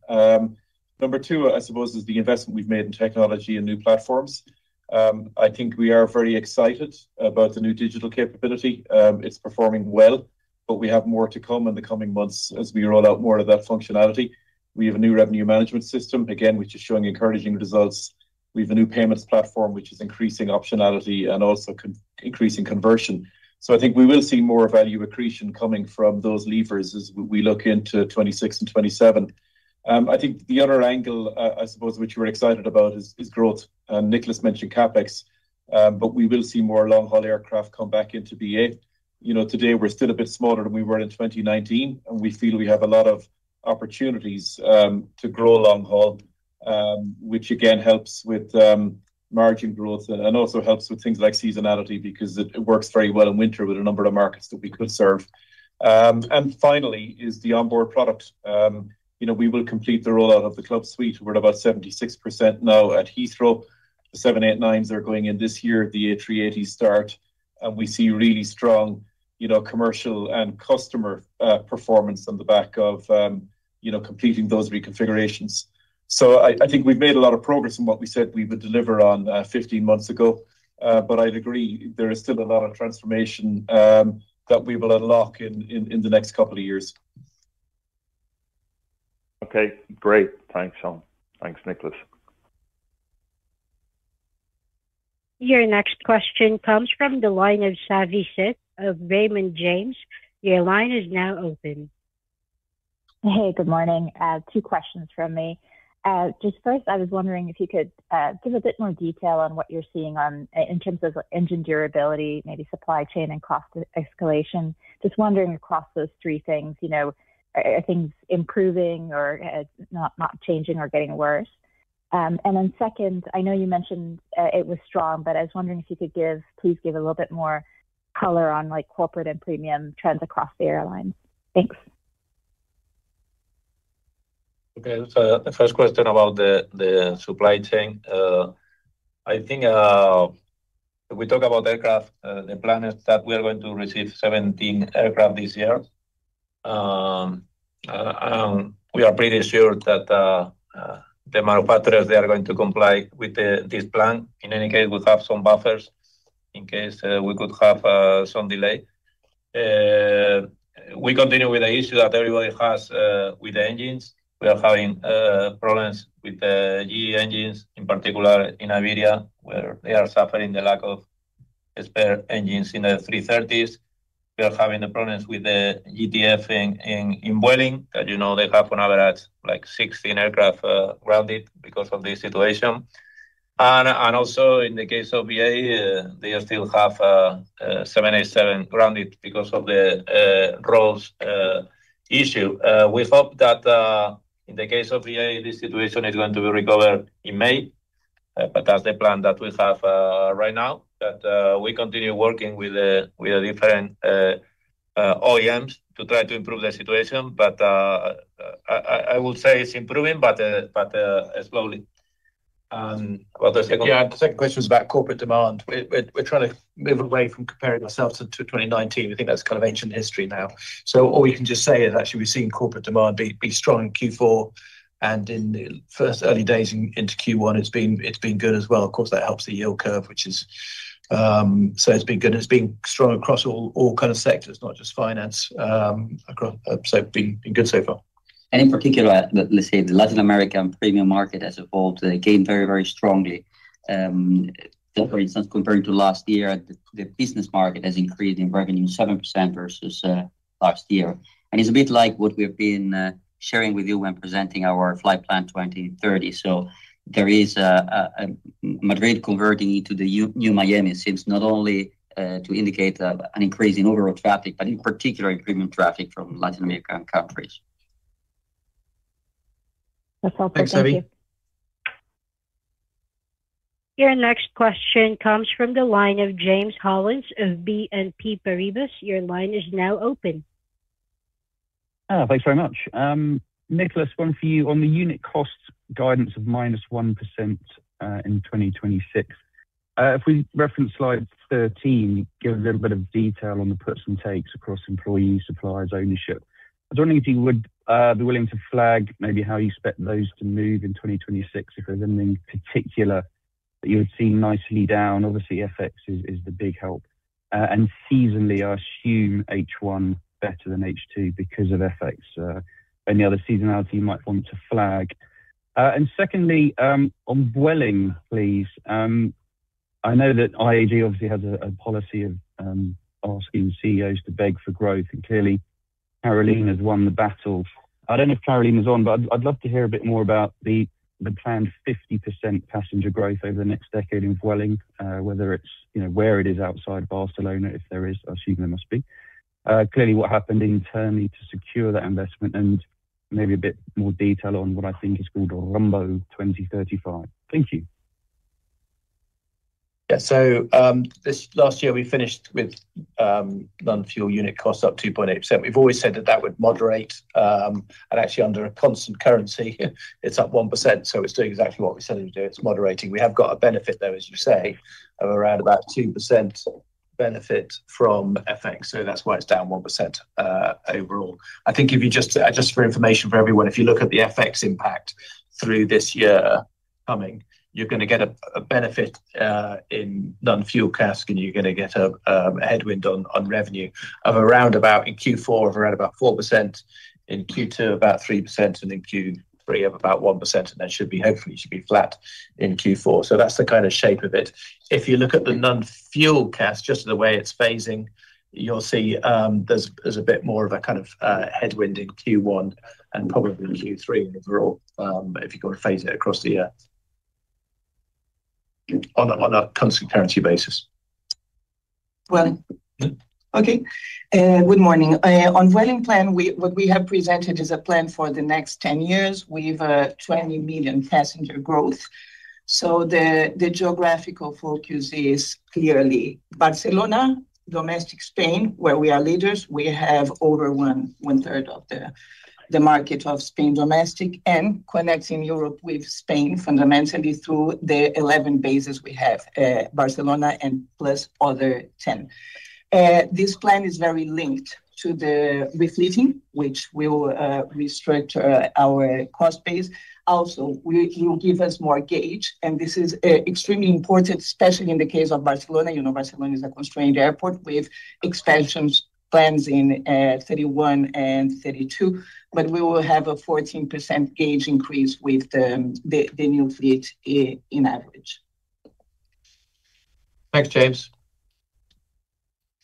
Number two, I suppose, is the investment we've made in technology and new platforms. I think we are very excited about the new digital capability. It's performing well, but we have more to come in the coming months as we roll out more of that functionality. We have a new revenue management system, again, which is showing encouraging results. We have a new payments platform, which is increasing optionality and also increasing conversion. I think we will see more value accretion coming from those levers as we look into 2026 and 2027. I think the other angle, I suppose what you were excited about is growth. Nicholas mentioned CapEx, but we will see more long-haul aircraft come back into BA. You know, today we're still a bit smaller than we were in 2019. We feel we have a lot of opportunities to grow long haul, which again helps with margin growth and also helps with things like seasonality because it works very well in winter with a number of markets that we could serve. Finally, is the onboard product. You know, we will complete the rollout of the Club Suite. We're at about 76% now at Heathrow. The 787-9s are going in this year, the A380 start. We see really strong, you know, commercial and customer performance on the back of completing those reconfigurations. I think we've made a lot of progress on what we said we would deliver on 15 months ago. I'd agree, there is still a lot of transformation that we will unlock in the next couple of years. Okay, great. Thanks, Sean. Thanks, Nicholas. Your next question comes from the line of Savi Syth of Raymond James. Your line is now open. Hey, good morning. Two questions from me. Just first, I was wondering if you could give a bit more detail on what you're seeing on in terms of engine durability, maybe supply chain and cost escalation? Just wondering across those three things, you know, are things improving or not changing or getting worse? Then second, I know you mentioned it was strong, but I was wondering if you could please give a little bit more color on, like, corporate and premium trends across the airline? Thanks. Okay. The first question about the supply chain. I think we talk about aircraft, the plan is that we are going to receive 17 aircraft this year. We are pretty sure that the manufacturers, they are going to comply with this plan. In any case, we have some buffers in case we could have some delay. We continue with the issue that everybody has with the engines. We are having problems with the GE engines, in particular in Iberia, where they are suffering the lack of spare engines in the 330s. We are having the problems with the GTF in Vueling, that, you know, they have on average, like 16 aircraft grounded because of this situation. Also in the case of BA, they still have 787 grounded because of the growth issue. We hope that in the case of BA, this situation is going to be recovered in May, that's the plan that we have right now, that we continue working with different OEMs to try to improve the situation. I would say it's improving, but slowly. What the second one? Yeah, the second question is about corporate demand. We're trying to move away from comparing ourselves to 2019. We think that's kind of ancient history now. All we can just say is actually we've seen corporate demand be strong in Q4, and in the first early days into Q1, it's been good as well. Of course, that helps the yield curve, which is. It's been good, and it's been strong across all kind of sectors, not just finance, across, been good so far. In particular, let's say the Latin American premium market has evolved again, very strongly. For instance, comparing to last year, the business market has increased in revenue 7% versus last year. It's a bit like what we've been sharing with you when presenting our Flight Plan 2030. There is a Madrid converting into the new Miami seems not only to indicate an increase in overall traffic, but in particular, improvement traffic from Latin American countries. That's helpful. Thanks, Savi. Your next question comes from the line of James Hollins of BNP Paribas. Your line is now open. Thanks very much. Nicholas, one for you. On the unit cost guidance of -1% in 2026, if we reference slide 13, give a little bit of detail on the puts and takes across employees, suppliers, ownership. I was wondering if you would be willing to flag maybe how you expect those to move in 2026, if there's anything particular that you would see nicely down. Obviously, FX is the big help. Seasonally, I assume H1 better than H2 because of FX. Any other seasonality you might want to flag? Secondly, on Vueling, please, I know that IAG obviously has a policy of asking CEOs to beg for growth. Clearly, Carolina's won the battle. I don't know if Carolina is on, but I'd love to hear a bit more about the planned 50% passenger growth over the next decade in Vueling, whether it's, you know, where it is outside Barcelona, if there is, I assume there must be. Clearly, what happened internally to secure that investment, and maybe a bit more detail on what I think is called Rumbo 2035. Thank you. Yeah. This last year, we finished with non-fuel unit costs up 2.8%. We've always said that that would moderate, actually under a constant currency, it's up 1%, it's doing exactly what we said it would do. It's moderating. We have got a benefit, though, as you say, of around about 2% benefit from FX, that's why it's down 1% overall. I think if you just for information for everyone, if you look at the FX impact through this year coming, you're gonna get a benefit in non-fuel CASK, you're gonna get a headwind on revenue of around about, in Q4 of around about 4%, in Q2 about 3%, in Q3 of about 1%, then should be hopefully should be flat in Q4. That's the kind of shape of it. If you look at the non-fuel CASK, just the way it's phasing, you'll see, there's a bit more of a kind of headwind in Q1 and probably in Q3 overall, if you've got to phase it across the year. On a constant currency basis. Okay. Good morning. On Vueling plan, what we have presented is a plan for the next 10 years with 20 million passenger growth. The geographical focus is clearly Barcelona, domestic Spain, where we are leaders. We have over 1/3 of the market of Spain domestic and connecting Europe with Spain fundamentally through the 11 bases we have, Barcelona and plus other 10. This plan is very linked to the re-fleeting, which will restrict our cost base. Also, it will give us more gauge, and this is extremely important, especially in the case of Barcelona. You know, Barcelona is a constrained airport with expansion plans in 2031 and 2032, but we will have a 14% gauge increase with the new fleet in average. Thanks, James.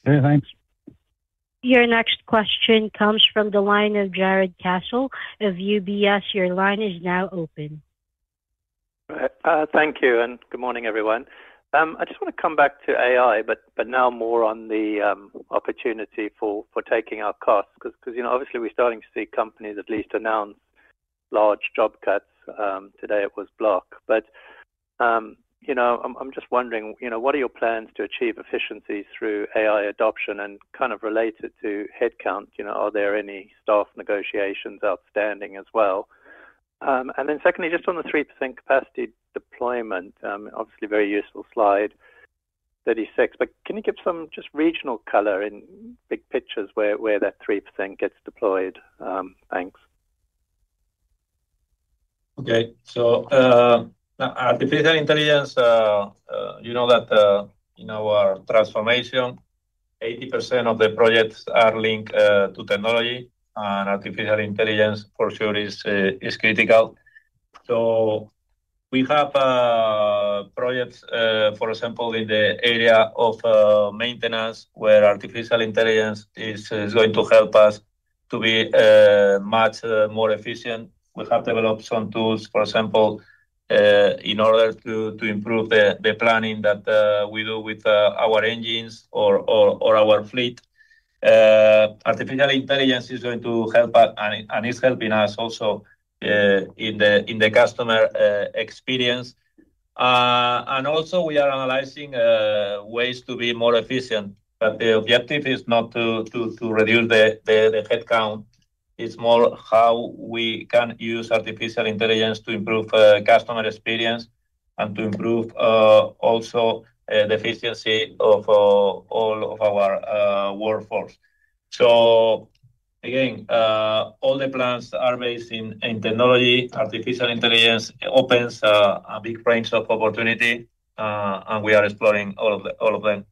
Okay, thanks. Your next question comes from the line of Jarrod Castle of UBS. Your line is now open. Thank you, and good morning, everyone. I just want to come back to AI, but now more on the opportunity for taking our costs, 'cause, you know, obviously we're starting to see companies at least announce large job cuts. Today it was Block. You know, I'm just wondering, you know, what are your plans to achieve efficiency through AI adoption? Kind of related to headcount, you know, are there any staff negotiations outstanding as well? Secondly, just on the 3% capacity deployment, obviously a very useful slide 36, but can you give some just regional color in big pictures where that 3% gets deployed? Thanks. Okay. So, artificial intelligence, you know that in our transformation, 80% of the projects are linked to technology, and artificial intelligence for sure is critical. So we have projects, for example, in the area of maintenance, where artificial intelligence is going to help us to be much more efficient. We have developed some tools, for example, in order to improve the planning that we do with our engines or our fleet. Artificial intelligence is going to help us and it's helping us also in the customer experience. And also we are analyzing ways to be more efficient, but the objective is not to reduce the headcount. It's more how we can use artificial intelligence to improve, customer experience and to improve, also, the efficiency of all of our workforce. Again, all the plans are based in technology. Artificial intelligence opens a big range of opportunity, and we are exploring all of the, all of them.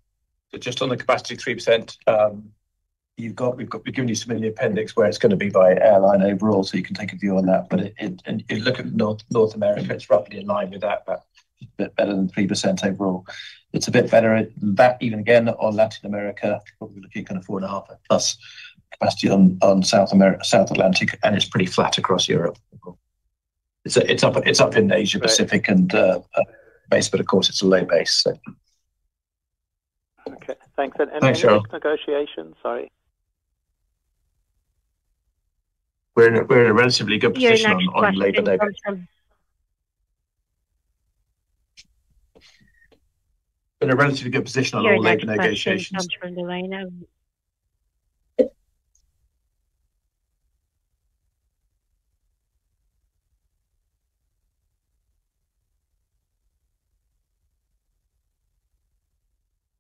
Just on the capacity 3%, we've given you some in the appendix where it's going to be by airline overall, so you can take a view on that. If you look at North America, it's roughly in line with that, but a bit better than 3% overall. It's a bit better at that, even again, on Latin America, probably looking kind of 4.5%+ capacity on South Atlantic, and it's pretty flat across Europe. It's up in Asia Pacific and base, but of course, it's a low base, so. Okay, thanks. Thanks, Jarrod. Any negotiations, sorry? We're in a relatively good position on labor negotiations. Your next question comes from- We're in a relatively good position on all labor negotiations. Your next question comes from the line of.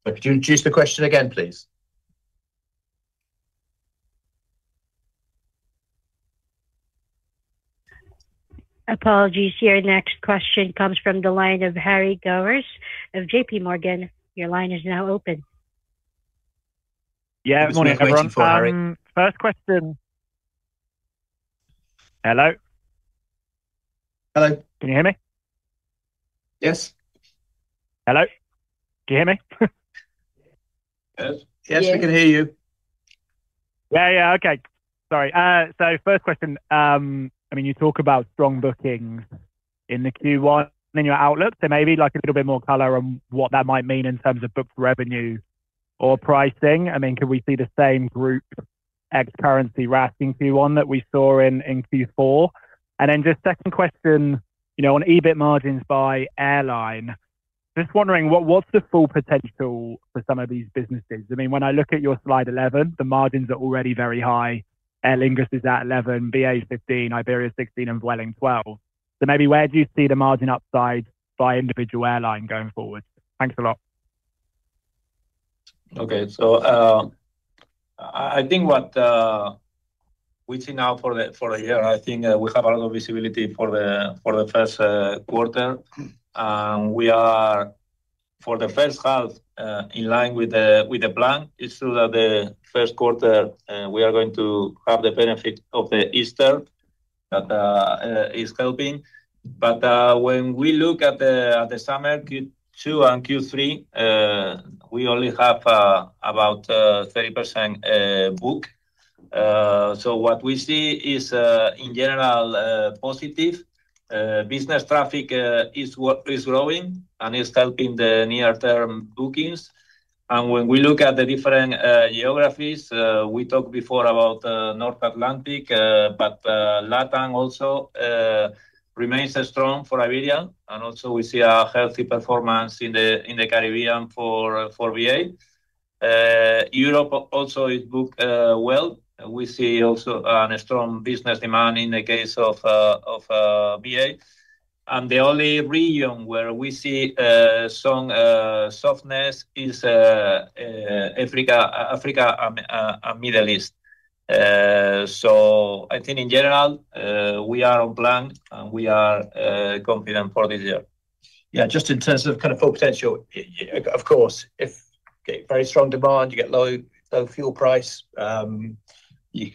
Could you introduce the question again, please? Apologies. Your next question comes from the line of Harry Gowers of JPMorgan. Your line is now open. Yeah. Morning, everyone. Thanks for waiting, Harry. First question. Hello? Hello. Can you hear me? Yes. Hello? Can you hear me? Yes. Yes, we can hear you. Yeah, yeah. Okay. Sorry. First question. I mean, you talk about strong bookings in the Q1 in your outlook, maybe like a little bit more color on what that might mean in terms of booked revenues or pricing. I mean, can we see the same group X currency RASK Q1 that we saw in Q4? Just second question, you know, on EBIT margins by airline, just wondering what's the full potential for some of these businesses? I mean, when I look at your slide 11, the margins are already very high. Aer Lingus is at 11%, BA 15%, Iberia 16%, and Vueling 12%. Maybe where do you see the margin upside by individual airline going forward? Thanks a lot. Okay. I think what we see now for the for a year, I think we have a lot of visibility for the for the first quarter. We are, for the first half, in line with the plan. It's true that the first quarter, we are going to have the benefit of the Easter, that is helping. When we look at the summer, Q2 and Q3, we only have about 30% booked. What we see is in general positive. Business traffic is what is growing and is helping the near-term bookings. When we look at the different geographies, we talked before about North Atlantic, but LatAm also remains strong for Iberia. Also we see a healthy performance in the Caribbean for BA. Europe also is booked well, and we see also a strong business demand in the case of BA. The only region where we see some softness is Africa and Middle East. I think in general, we are on plan, and we are confident for this year. Yeah, just in terms of kind of full potential, of course, if you get very strong demand, you get low fuel price, you,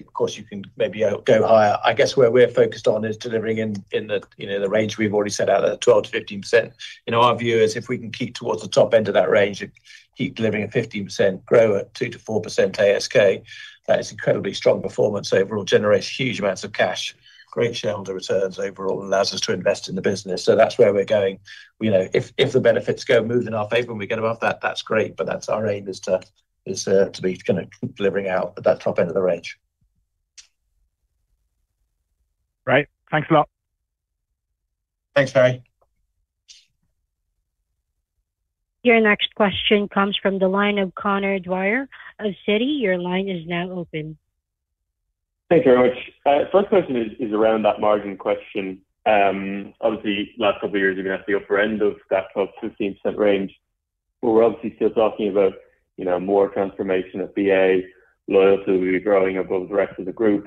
of course, you can maybe go higher. I guess where we're focused on is delivering in the, you know, the range we've already set out, at 12%-15%. You know, our view is if we can keep towards the top end of that range and keep delivering at 15%, grow at 2%-4% ASK, that is incredibly strong performance overall, generates huge amounts of cash, great shareholder returns overall, and allows us to invest in the business. That's where we're going. You know, if the benefits go, move in our favor and we get above that's great. That's our aim, is to be gonna keep delivering out at that top end of the range. Great. Thanks a lot. Thanks, Harry. Your next question comes from the line of Conor Dwyer of Citi. Your line is now open. Thank you very much. First question is around that margin question. Obviously, last couple of years, you've been at the upper end of that 12%-15% range. We're obviously still talking about, you know, more transformation of BA, loyalty will be growing above the rest of the group.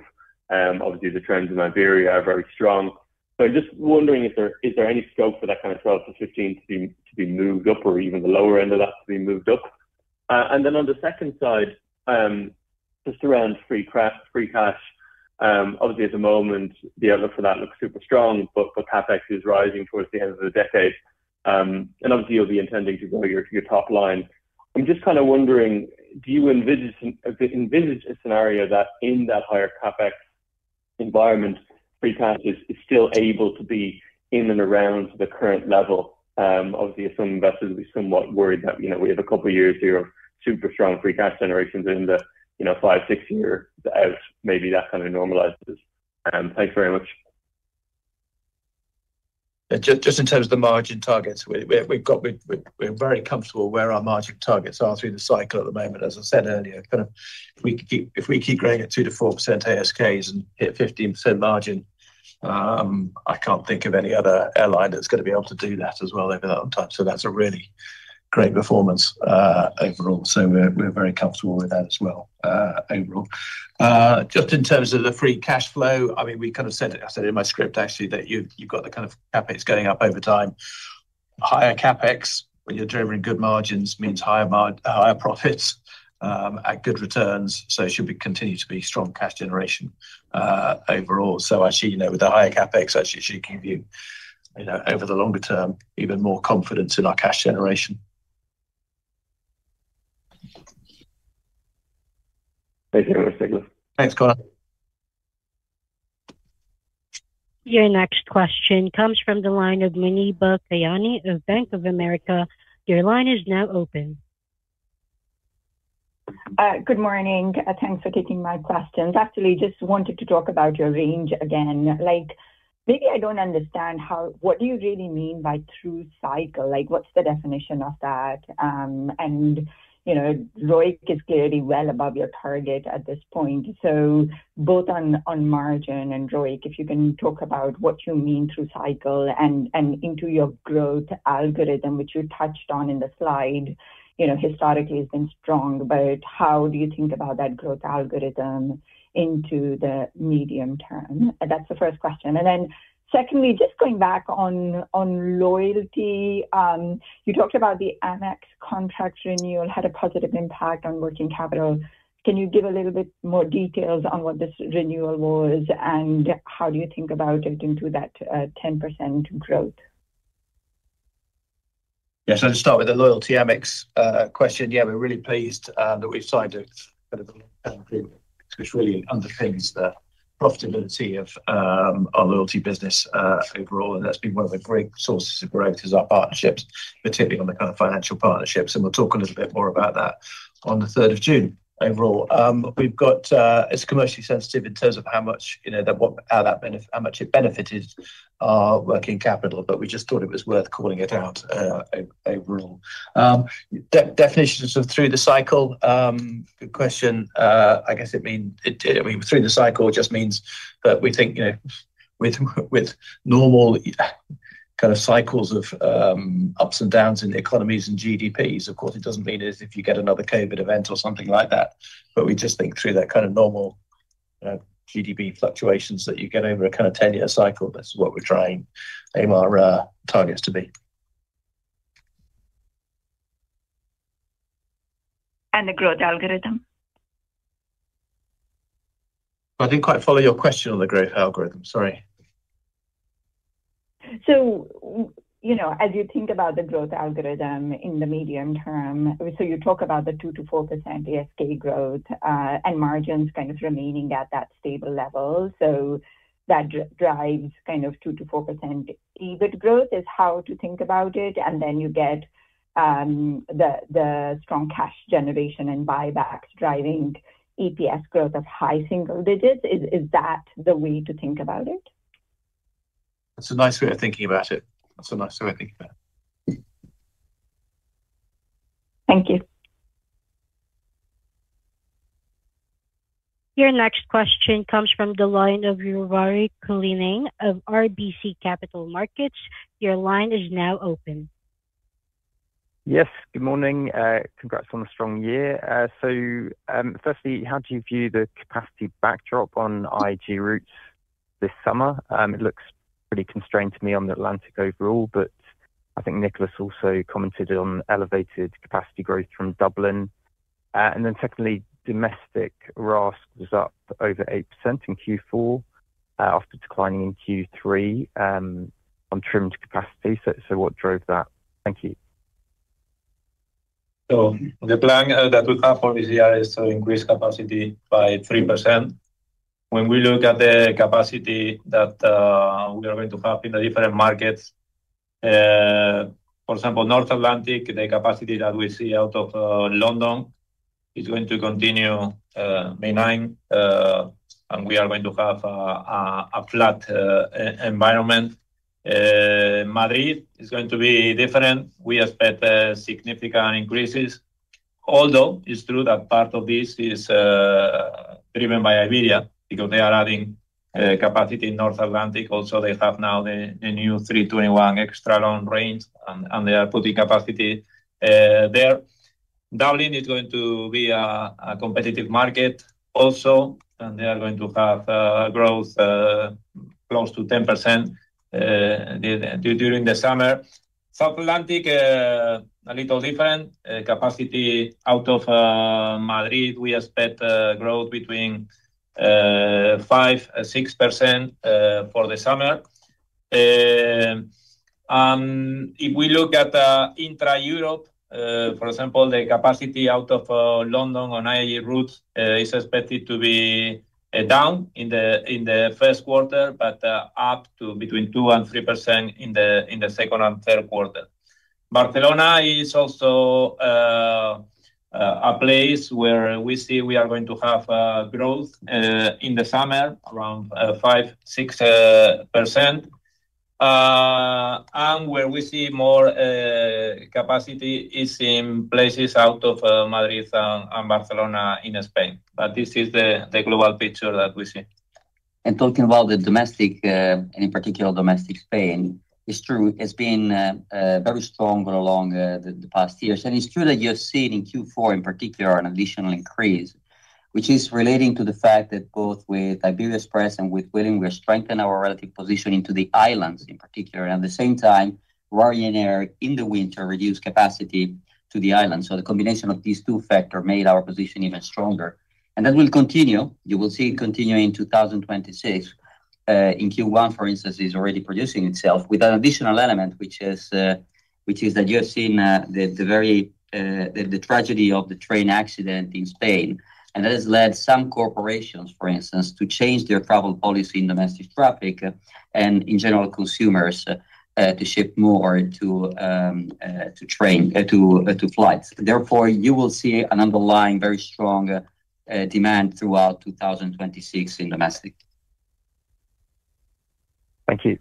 Obviously, the trends in Iberia are very strong. Just wondering, is there any scope for that kind of 12%-15% to be moved up or even the lower end of that to be moved up? Then on the second side, just around free cash. Obviously, at the moment, the outlook for that looks super strong, for CapEx is rising towards the end of the decade. Obviously, you'll be intending to grow your top line. I'm just kind of wondering, do you envisage envisage a scenario that in that higher CapEx environment, free cash is still able to be in and around the current level? Obviously, some investors will be somewhat worried that, you know, we have a couple of years here of super strong free cash generations in the, you know, 5, 6 year as maybe that kind of normalizes. Thanks very much. Just in terms of the margin targets, we're very comfortable where our margin targets are through the cycle at the moment. As I said earlier, kind of if we keep growing at 2%-4% ASK and hit 15% margin, I can't think of any other airline that's going to be able to do that as well over that time. That's a really great performance overall. We're very comfortable with that as well overall. Just in terms of the free cash flow, I mean, we kind of said it. I said in my script, actually, that you've got the kind of CapEx going up over time. Higher CapEx, when you're delivering good margins, means higher profits, at good returns, so it should be continue to be strong cash generation, overall. Actually, you know, with the higher CapEx, that should give you know, over the longer term, even more confidence in our cash generation. Thanks very much. Thanks, Connor. Your next question comes from the line of Muneeba Kayani of Bank of America. Your line is now open. Good morning, thanks for taking my questions. Actually, just wanted to talk about your range again. Like, maybe I don't understand what do you really mean by true cycle? Like, what's the definition of that? You know, ROIC is clearly well above your target at this point. Both on margin and ROIC, if you can talk about what you mean through cycle and into your growth algorithm, which you touched on in the slide. You know, historically, it's been strong, but how do you think about that growth algorithm into the medium term? That's the first question. Secondly, just going back on loyalty, you talked about the AmEx contract renewal had a positive impact on working capital. Can you give a little bit more details on what this renewal was, and how do you think about it into that 10% growth? Yes, I'll just start with the loyalty AmEx question. Yeah, we're really pleased that we've signed a kind of agreement, which really underpins the profitability of our loyalty business overall, and that's been one of the great sources of growth, is our partnerships, particularly on the kind of financial partnerships, and we'll talk a little bit more about that on the 3rd of June. Overall, we've got, it's commercially sensitive in terms of how much, you know, how much it benefited our working capital, but we just thought it was worth calling it out overall. Definitions of through the cycle, good question. I guess I mean, through the cycle, it just means that we think, you know, with normal kind of cycles of ups and downs in the economies and GDPs. Of course, it doesn't mean as if you get another COVID event or something like that. We just think through that kind of normal GDP fluctuations that you get over a kind of 10-year cycle. That's what we're trying aim our targets to be. The growth algorithm? I didn't quite follow your question on the growth algorithm. Sorry. You know, as you think about the growth algorithm in the medium term, so you talk about the 2%-4% ASK growth, and margins kind of remaining at that stable level. That drives kind of 2%-4% EBIT growth is how to think about it, and then you get the strong cash generation and buybacks driving EPS growth of high single digits. Is that the way to think about it? That's a nice way of thinking about it. Thank you. Your next question comes from the line of Ruairi Cullinane of RBC Capital Markets. Your line is now open. Yes, good morning. Congrats on a strong year. Firstly, how do you view the capacity backdrop on IAG routes this summer? It looks pretty constrained to me on the Atlantic overall, but I think Nicholas also commented on elevated capacity growth from Dublin. Secondly, domestic RASK was up over 8% in Q4, after declining in Q3, on trimmed capacity. What drove that? Thank you. The plan that we have for this year is to increase capacity by 3%. When we look at the capacity that we are going to have in the different markets, for example, North Atlantic, the capacity that we see out of London, is going to continue remaining, and we are going to have a flat environment. Madrid is going to be different. We expect significant increases. Although, it's true that part of this is driven by Iberia, because they are adding capacity in North Atlantic. Also, they have now the new 321 extra long range, and they are putting capacity there. Dublin is going to be a competitive market also, and they are going to have growth close to 10% during the summer. South Atlantic, a little different capacity out of Madrid. We expect growth between 5%-6% for the summer. If we look at Intra Europe, for example, the capacity out of London on IAG routes is expected to be down in the first quarter, but up to between 2% and 3% in the second and third quarter. Barcelona is also a place where we see we are going to have growth in the summer around 5%-6%. Where we see more capacity is in places out of Madrid and Barcelona in Spain. This is the global picture that we see. Talking about the domestic, and in particular, domestic Spain, it's true, it's been, very strong along, the past years. It's true that you're seeing in Q4, in particular, an additional increase, which is relating to the fact that both with Iberia Express and with Vueling, we strengthen our relative positioning to the islands, in particular. At the same time, Ryanair, in the winter, reduced capacity to the island. The combination of these two factor made our position even stronger. That will continue. You will see it continue in 2026. In Q1, for instance, is already producing itself with an additional element, which is that you have seen the very tragedy of the train accident in Spain, and that has led some corporations, for instance, to change their travel policy in domestic traffic, and in general, consumers to ship more to flights. Therefore, you will see an underlying, very strong demand throughout 2026 in domestic. Thank you.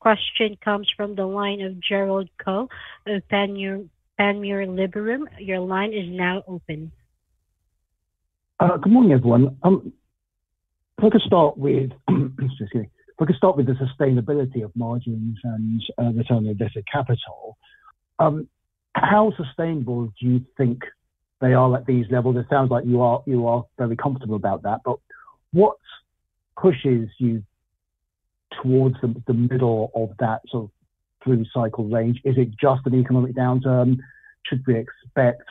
Question comes from the line of Gerald Khoo of Panmure Liberum. Your line is now open. Good morning, everyone. Excuse me. If I could start with the sustainability of margins and return on invested capital. How sustainable do you think they are at these levels? It sounds like you are very comfortable about that, but what pushes you towards the middle of that sort of through cycle range? Is it just an economic downturn? Should we expect,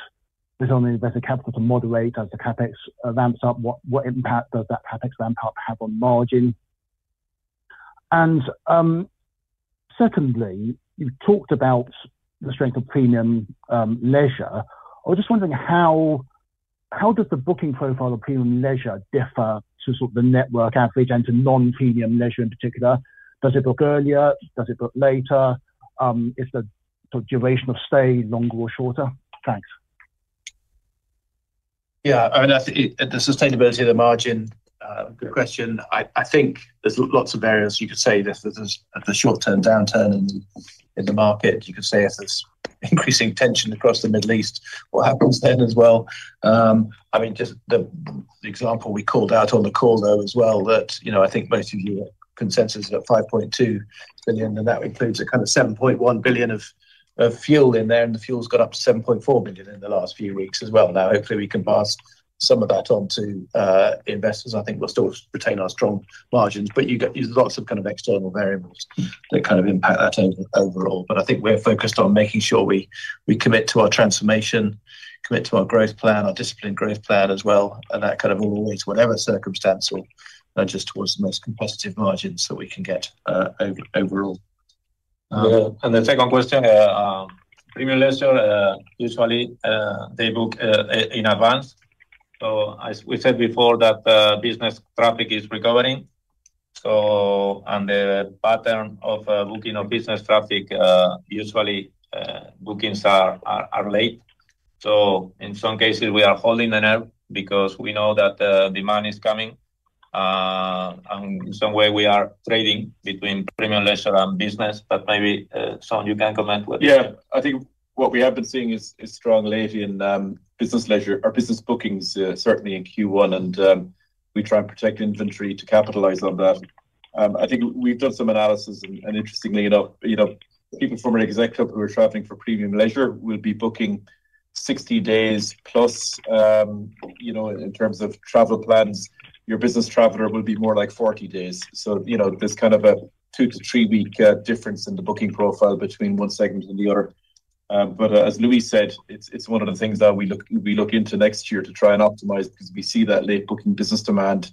there's only invested capital to moderate as the CapEx ramps up, what impact does that CapEx ramp up have on margin? Secondly, you've talked about the strength of premium leisure. I was just wondering how does the booking profile of premium leisure differ to sort of the network average and to non-premium leisure in particular? Does it book earlier? Does it book later? Is the duration of stay longer or shorter? Thanks. Yeah, I mean, I think the sustainability of the margin, good question. I think there's lots of areas you could say this, there's the short-term downturn in the market. You could say if there's increasing tension across the Middle East, what happens then as well? I mean, just the example we called out on the call, though, as well, that, you know, I think most of you consensus is at 5.2 billion, and that includes a kind of 7.1 billion of fuel in there, and the fuel's got up to 7.4 billion in the last few weeks as well. Hopefully, we can pass some of that on to investors. I think we'll still retain our strong margins, there's lots of kind of external variables that kind of impact that overall. I think we're focused on making sure we commit to our transformation, commit to our growth plan, our disciplined growth plan as well, and that kind of always, whatever circumstance, or just towards the most compositive margins that we can get, overall. Uh, and the second question, uh, um, premium leisure, uh, usually, uh, they book, uh, i- in advance. So as we said before, that, uh, business traffic is recovering, so-- and the pattern of, uh, booking of business traffic, uh, usually, uh, bookings are, are, are late. So in some cases, we are holding the nerve because we know that, uh, demand is coming. Uh, and some way we are trading between premium leisure and business, but maybe, uh, Sean, you can comment. Yeah, I think what we have been seeing is strong lately in business leisure or business bookings, certainly in Q1, and we try and protect inventory to capitalize on that. I think we've done some analysis, and interestingly enough, you know, even from an Exec Club who are traveling for premium leisure, will be booking 60 days plus. you know, in terms of travel plans, your business traveler will be more like 40 days. you know, there's kind of a 2 to 3 week, difference in the booking profile between one segment and the other. As Luis said, it's one of the things that we look into next year to try and optimize, because we see that late booking business demand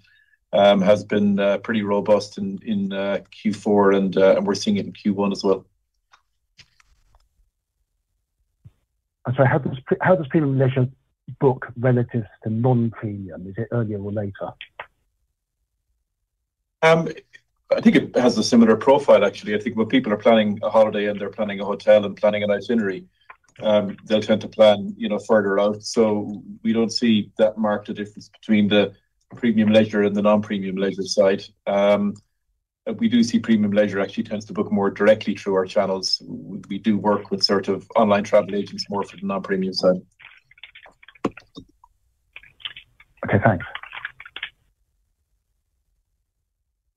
has been pretty robust in Q4, and we're seeing it in Q1 as well. How does premium leisure book relative to non-premium? Is it earlier or later? I think it has a similar profile, actually. I think when people are planning a holiday and they're planning a hotel and planning an itinerary, they'll tend to plan, you know, further out. We don't see that marked a difference between the premium leisure and the non-premium leisure side. We do see premium leisure actually tends to book more directly through our channels. We do work with sort of online travel agents more for the non-premium side. Okay, thanks.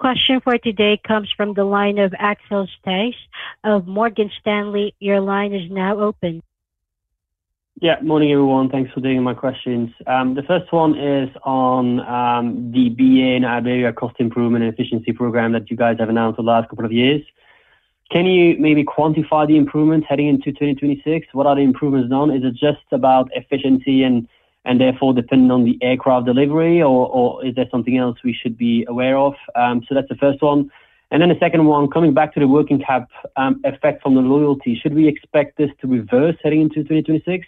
Question for today comes from the line of Axel Stasse of Morgan Stanley. Your line is now open. Yeah, Morning, everyone. Thanks for doing my questions. The first one is on the BA and Iberia cost improvement and efficiency program that you guys have announced the last couple of years. Can you maybe quantify the improvements heading into 2026? What are the improvements on? Is it just about efficiency and therefore, depending on the aircraft delivery, or is there something else we should be aware of? That's the first one. The second one, coming back to the working cap effect on the loyalty, should we expect this to reverse heading into 2026?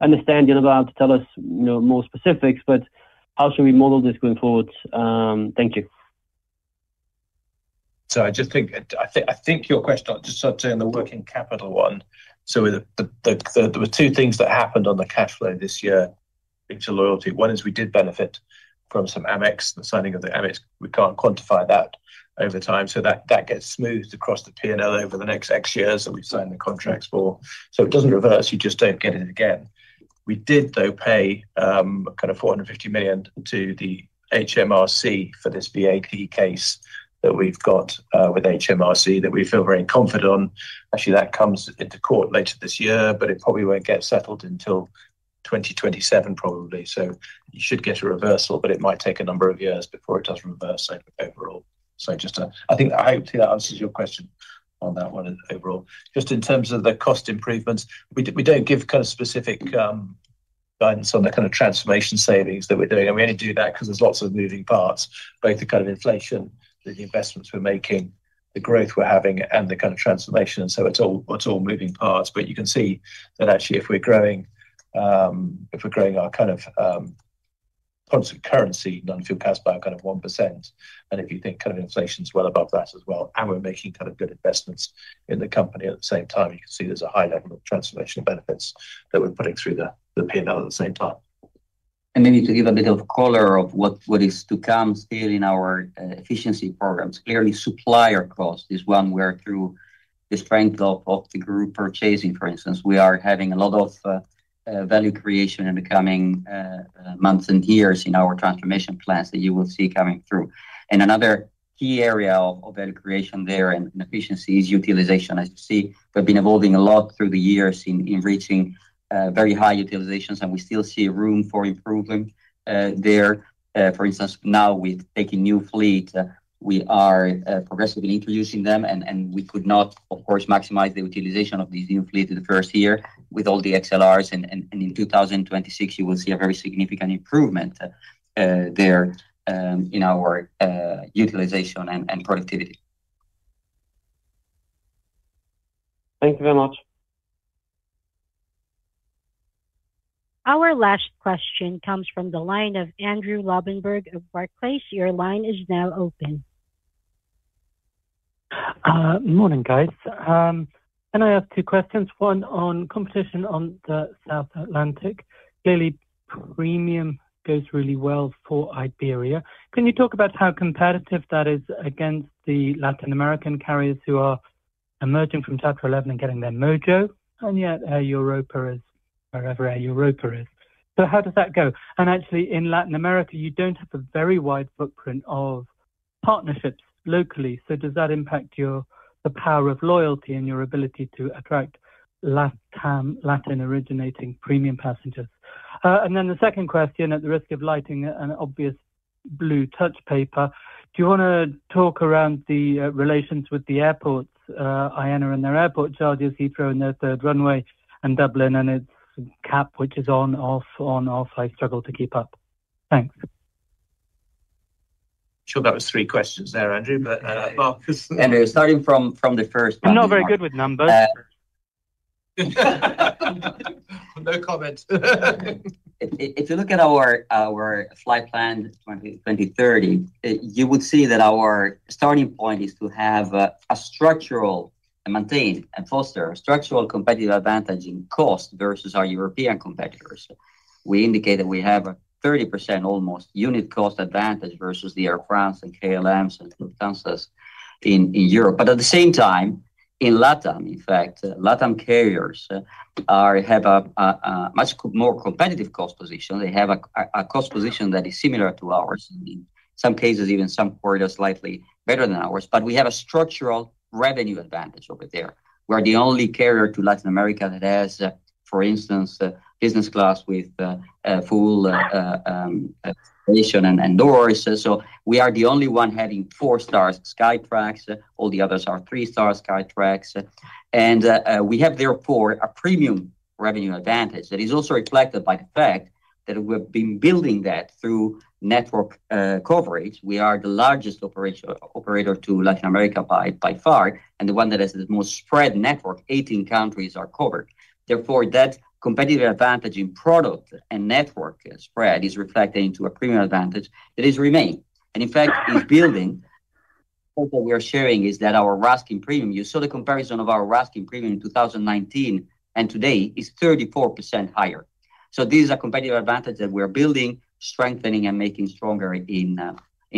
I understand you're not allowed to tell us, you know, more specifics, but how should we model this going forward? Thank you. Your question, just to start on the working capital one. There were two things that happened on the cash flow this year into loyalty. One is we did benefit from some AmEx, the signing of the AmEx. We can't quantify that over time, that gets smoothed across the P&L over the next X years that we've signed the contracts for. It doesn't reverse, you just don't get it again. We did, though, pay kind of 450 million to the HMRC for this VAT case that we've got with HMRC that we feel very confident on. Actually, that comes into court later this year, it probably won't get settled until 2027, probably. You should get a reversal, but it might take a number of years before it does reverse overall. I think, I hope that answers your question on that one overall. Just in terms of the cost improvements, we don't give kind of specific guidance on the kind of transformation savings that we're doing. We only do that because there's lots of moving parts, both the kind of inflation, the investments we're making, the growth we're having, and the kind of transformation. It's all moving parts, but you can see that actually if we're growing, if we're growing our kind of, constant currency, non-fuel CASK, kind of 1%, and if you think kind of inflation is well above that as well, and we're making kind of good investments in the company at the same time, you can see there's a high level of transformation benefits that we're putting through the P&L at the same time. Maybe to give a bit of color of what is to come still in our efficiency programs. Clearly, supplier cost is one where through the strength of the group purchasing, for instance, we are having a lot of value creation in the coming months and years in our transformation plans that you will see coming through. And another key area of value creation there and efficiency is utilization. As you see, we've been evolving a lot through the years in reaching very high utilizations, and we still see room for improvement there. For instance, now with taking new fleet, we are progressively introducing them, and we could not, of course, maximize the utilization of these new fleet in the first year with all the XLRs. In 2026, you will see a very significant improvement there in our utilization and productivity. Thank you very much. Our last question comes from the line of Andrew Lobbenberg of Barclays. Your line is now open. Morning, guys. Can I ask two questions? One on competition on the South Atlantic. Clearly, premium goes really well for Iberia. Can you talk about how competitive that is against the Latin American carriers who are emerging from Chapter 11 and getting their mojo, and yet Air Europa is wherever Air Europa is. So how does that go? Actually, in Latin America, you don't have a very wide footprint of partnerships locally, so does that impact the power of loyalty and your ability to attract LatAm, Latin-originating premium passengers? Then the second question, at the risk of lighting an obvious blue touch paper, do you wanna talk around the relations with the airports, Aena and their airport charges, Heathrow and their third runway, and Dublin and its cap, which is on, off, on, off? I struggle to keep up. Thanks. Sure, that was 3 questions there, Andrew, but, well. Andrew, starting from the first one. I'm not very good with numbers. Uh. No comment. If you look at our Flight Plan 2030, you would see that our starting point is to have a structural, and maintain and foster a structural competitive advantage in cost versus our European competitors. We indicate that we have a 30% almost unit cost advantage versus the Air France-KLM and Lufthansa in Europe. At the same time, in LatAm, in fact, LatAm carriers have a much more competitive cost position. They have a cost position that is similar to ours, and in some cases, even some corridors, slightly better than ours. We have a structural revenue advantage over there. We're the only carrier to Latin America that has, for instance, a business class with a full, and indoors. We are the only one having 4 stars Skytrax. All the others are 3-star Skytrax. We have, therefore, a premium revenue advantage that is also reflected by the fact that we've been building that through network coverage. We are the largest operational operator to Latin America by far, and the one that has the most spread network, 18 countries are covered. That competitive advantage in product and network spread is reflecting to a premium advantage that is remained, and in fact, is building. Hope what we are sharing is that our RASK in premium, you saw the comparison of our RASK in premium in 2019, and today is 34% higher. This is a competitive advantage that we're building, strengthening, and making stronger in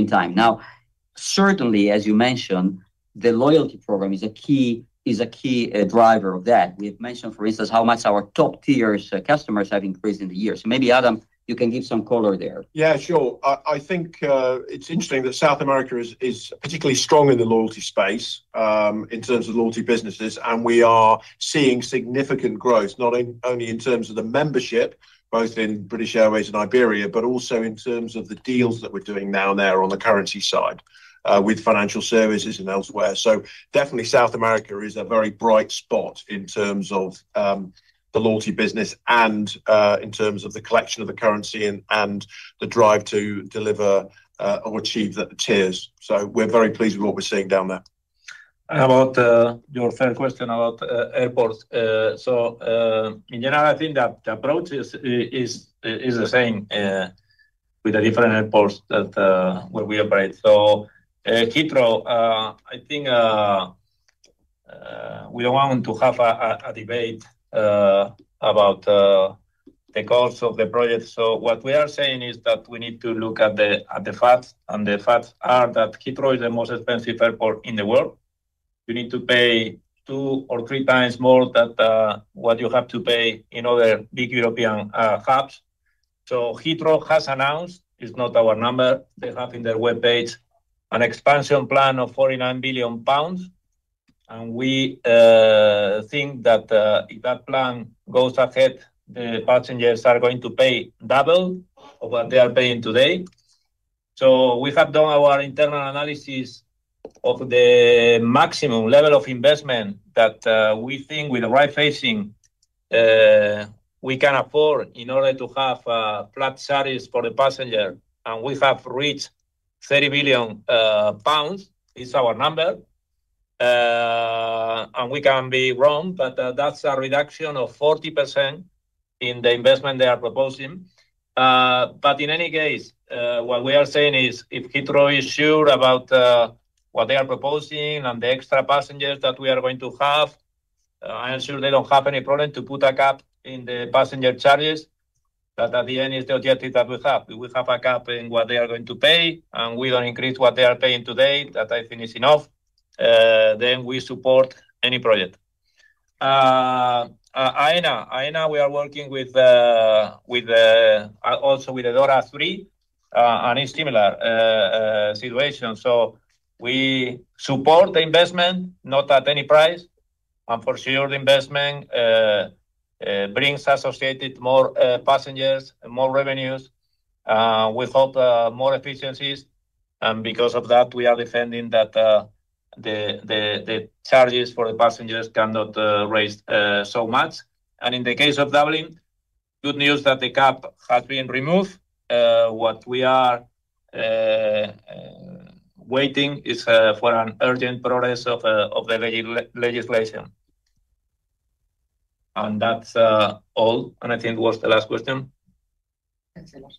time. Certainly, as you mentioned, the loyalty program is a key driver of that. We have mentioned, for instance, how much our top tiers customers have increased in the years. Maybe, Adam, you can give some color there. Yeah, sure. I think it's interesting that South America is particularly strong in the loyalty space, in terms of loyalty businesses. We are seeing significant growth, not in only in terms of the membership, both in British Airways and Iberia, but also in terms of the deals that we're doing now and there on the currency side, with financial services and elsewhere. Definitely, South America is a very bright spot in terms of the loyalty business and in terms of the collection of the currency and the drive to deliver or achieve the tiers. We're very pleased with what we're seeing down there. About your third question about airports. In general, I think the approach is the same with the different airports that where we operate. Heathrow, I think we don't want to have a debate about the costs of the project. What we are saying is that we need to look at the facts, and the facts are that Heathrow is the most expensive airport in the world. You need to pay two or three times more than what you have to pay in other big European hubs. Heathrow has announced, it's not our number, they have in their webpage, an expansion plan of 49 billion pounds, and we think that if that plan goes ahead, the passengers are going to pay double of what they are paying today. We have done our internal analysis of the maximum level of investment that we think with the right facing, we can afford in order to have flat charges for the passenger, and we have reached 30 billion pounds, is our number. We can be wrong, but that's a reduction of 40% in the investment they are proposing. In any case, what we are saying is, if Heathrow is sure about what they are proposing and the extra passengers that we are going to have, I am sure they don't have any problem to put a cap in the passenger charges, that at the end is the objective that we have. We have a cap in what they are going to pay, and we don't increase what they are paying today. That I think is enough. We support any project. Aena we are working with, also with DORA 3, and it's similar situation. We support the investment, not at any price. For sure, the investment brings associated more passengers and more revenues, without more efficiencies. Because of that, we are defending that the charges for the passengers cannot raise so much. In the case of Dublin, good news that the cap has been removed. What we are waiting is for an urgent progress of the legislation. That's all. I think it was the last question? That's the last.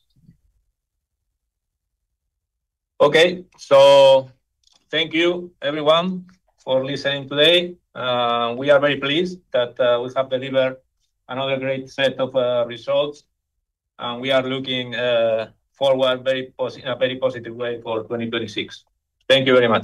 Thank you, everyone, for listening today. We are very pleased that we have delivered another great set of results, and we are looking forward in a very positive way for 2026. Thank you very much.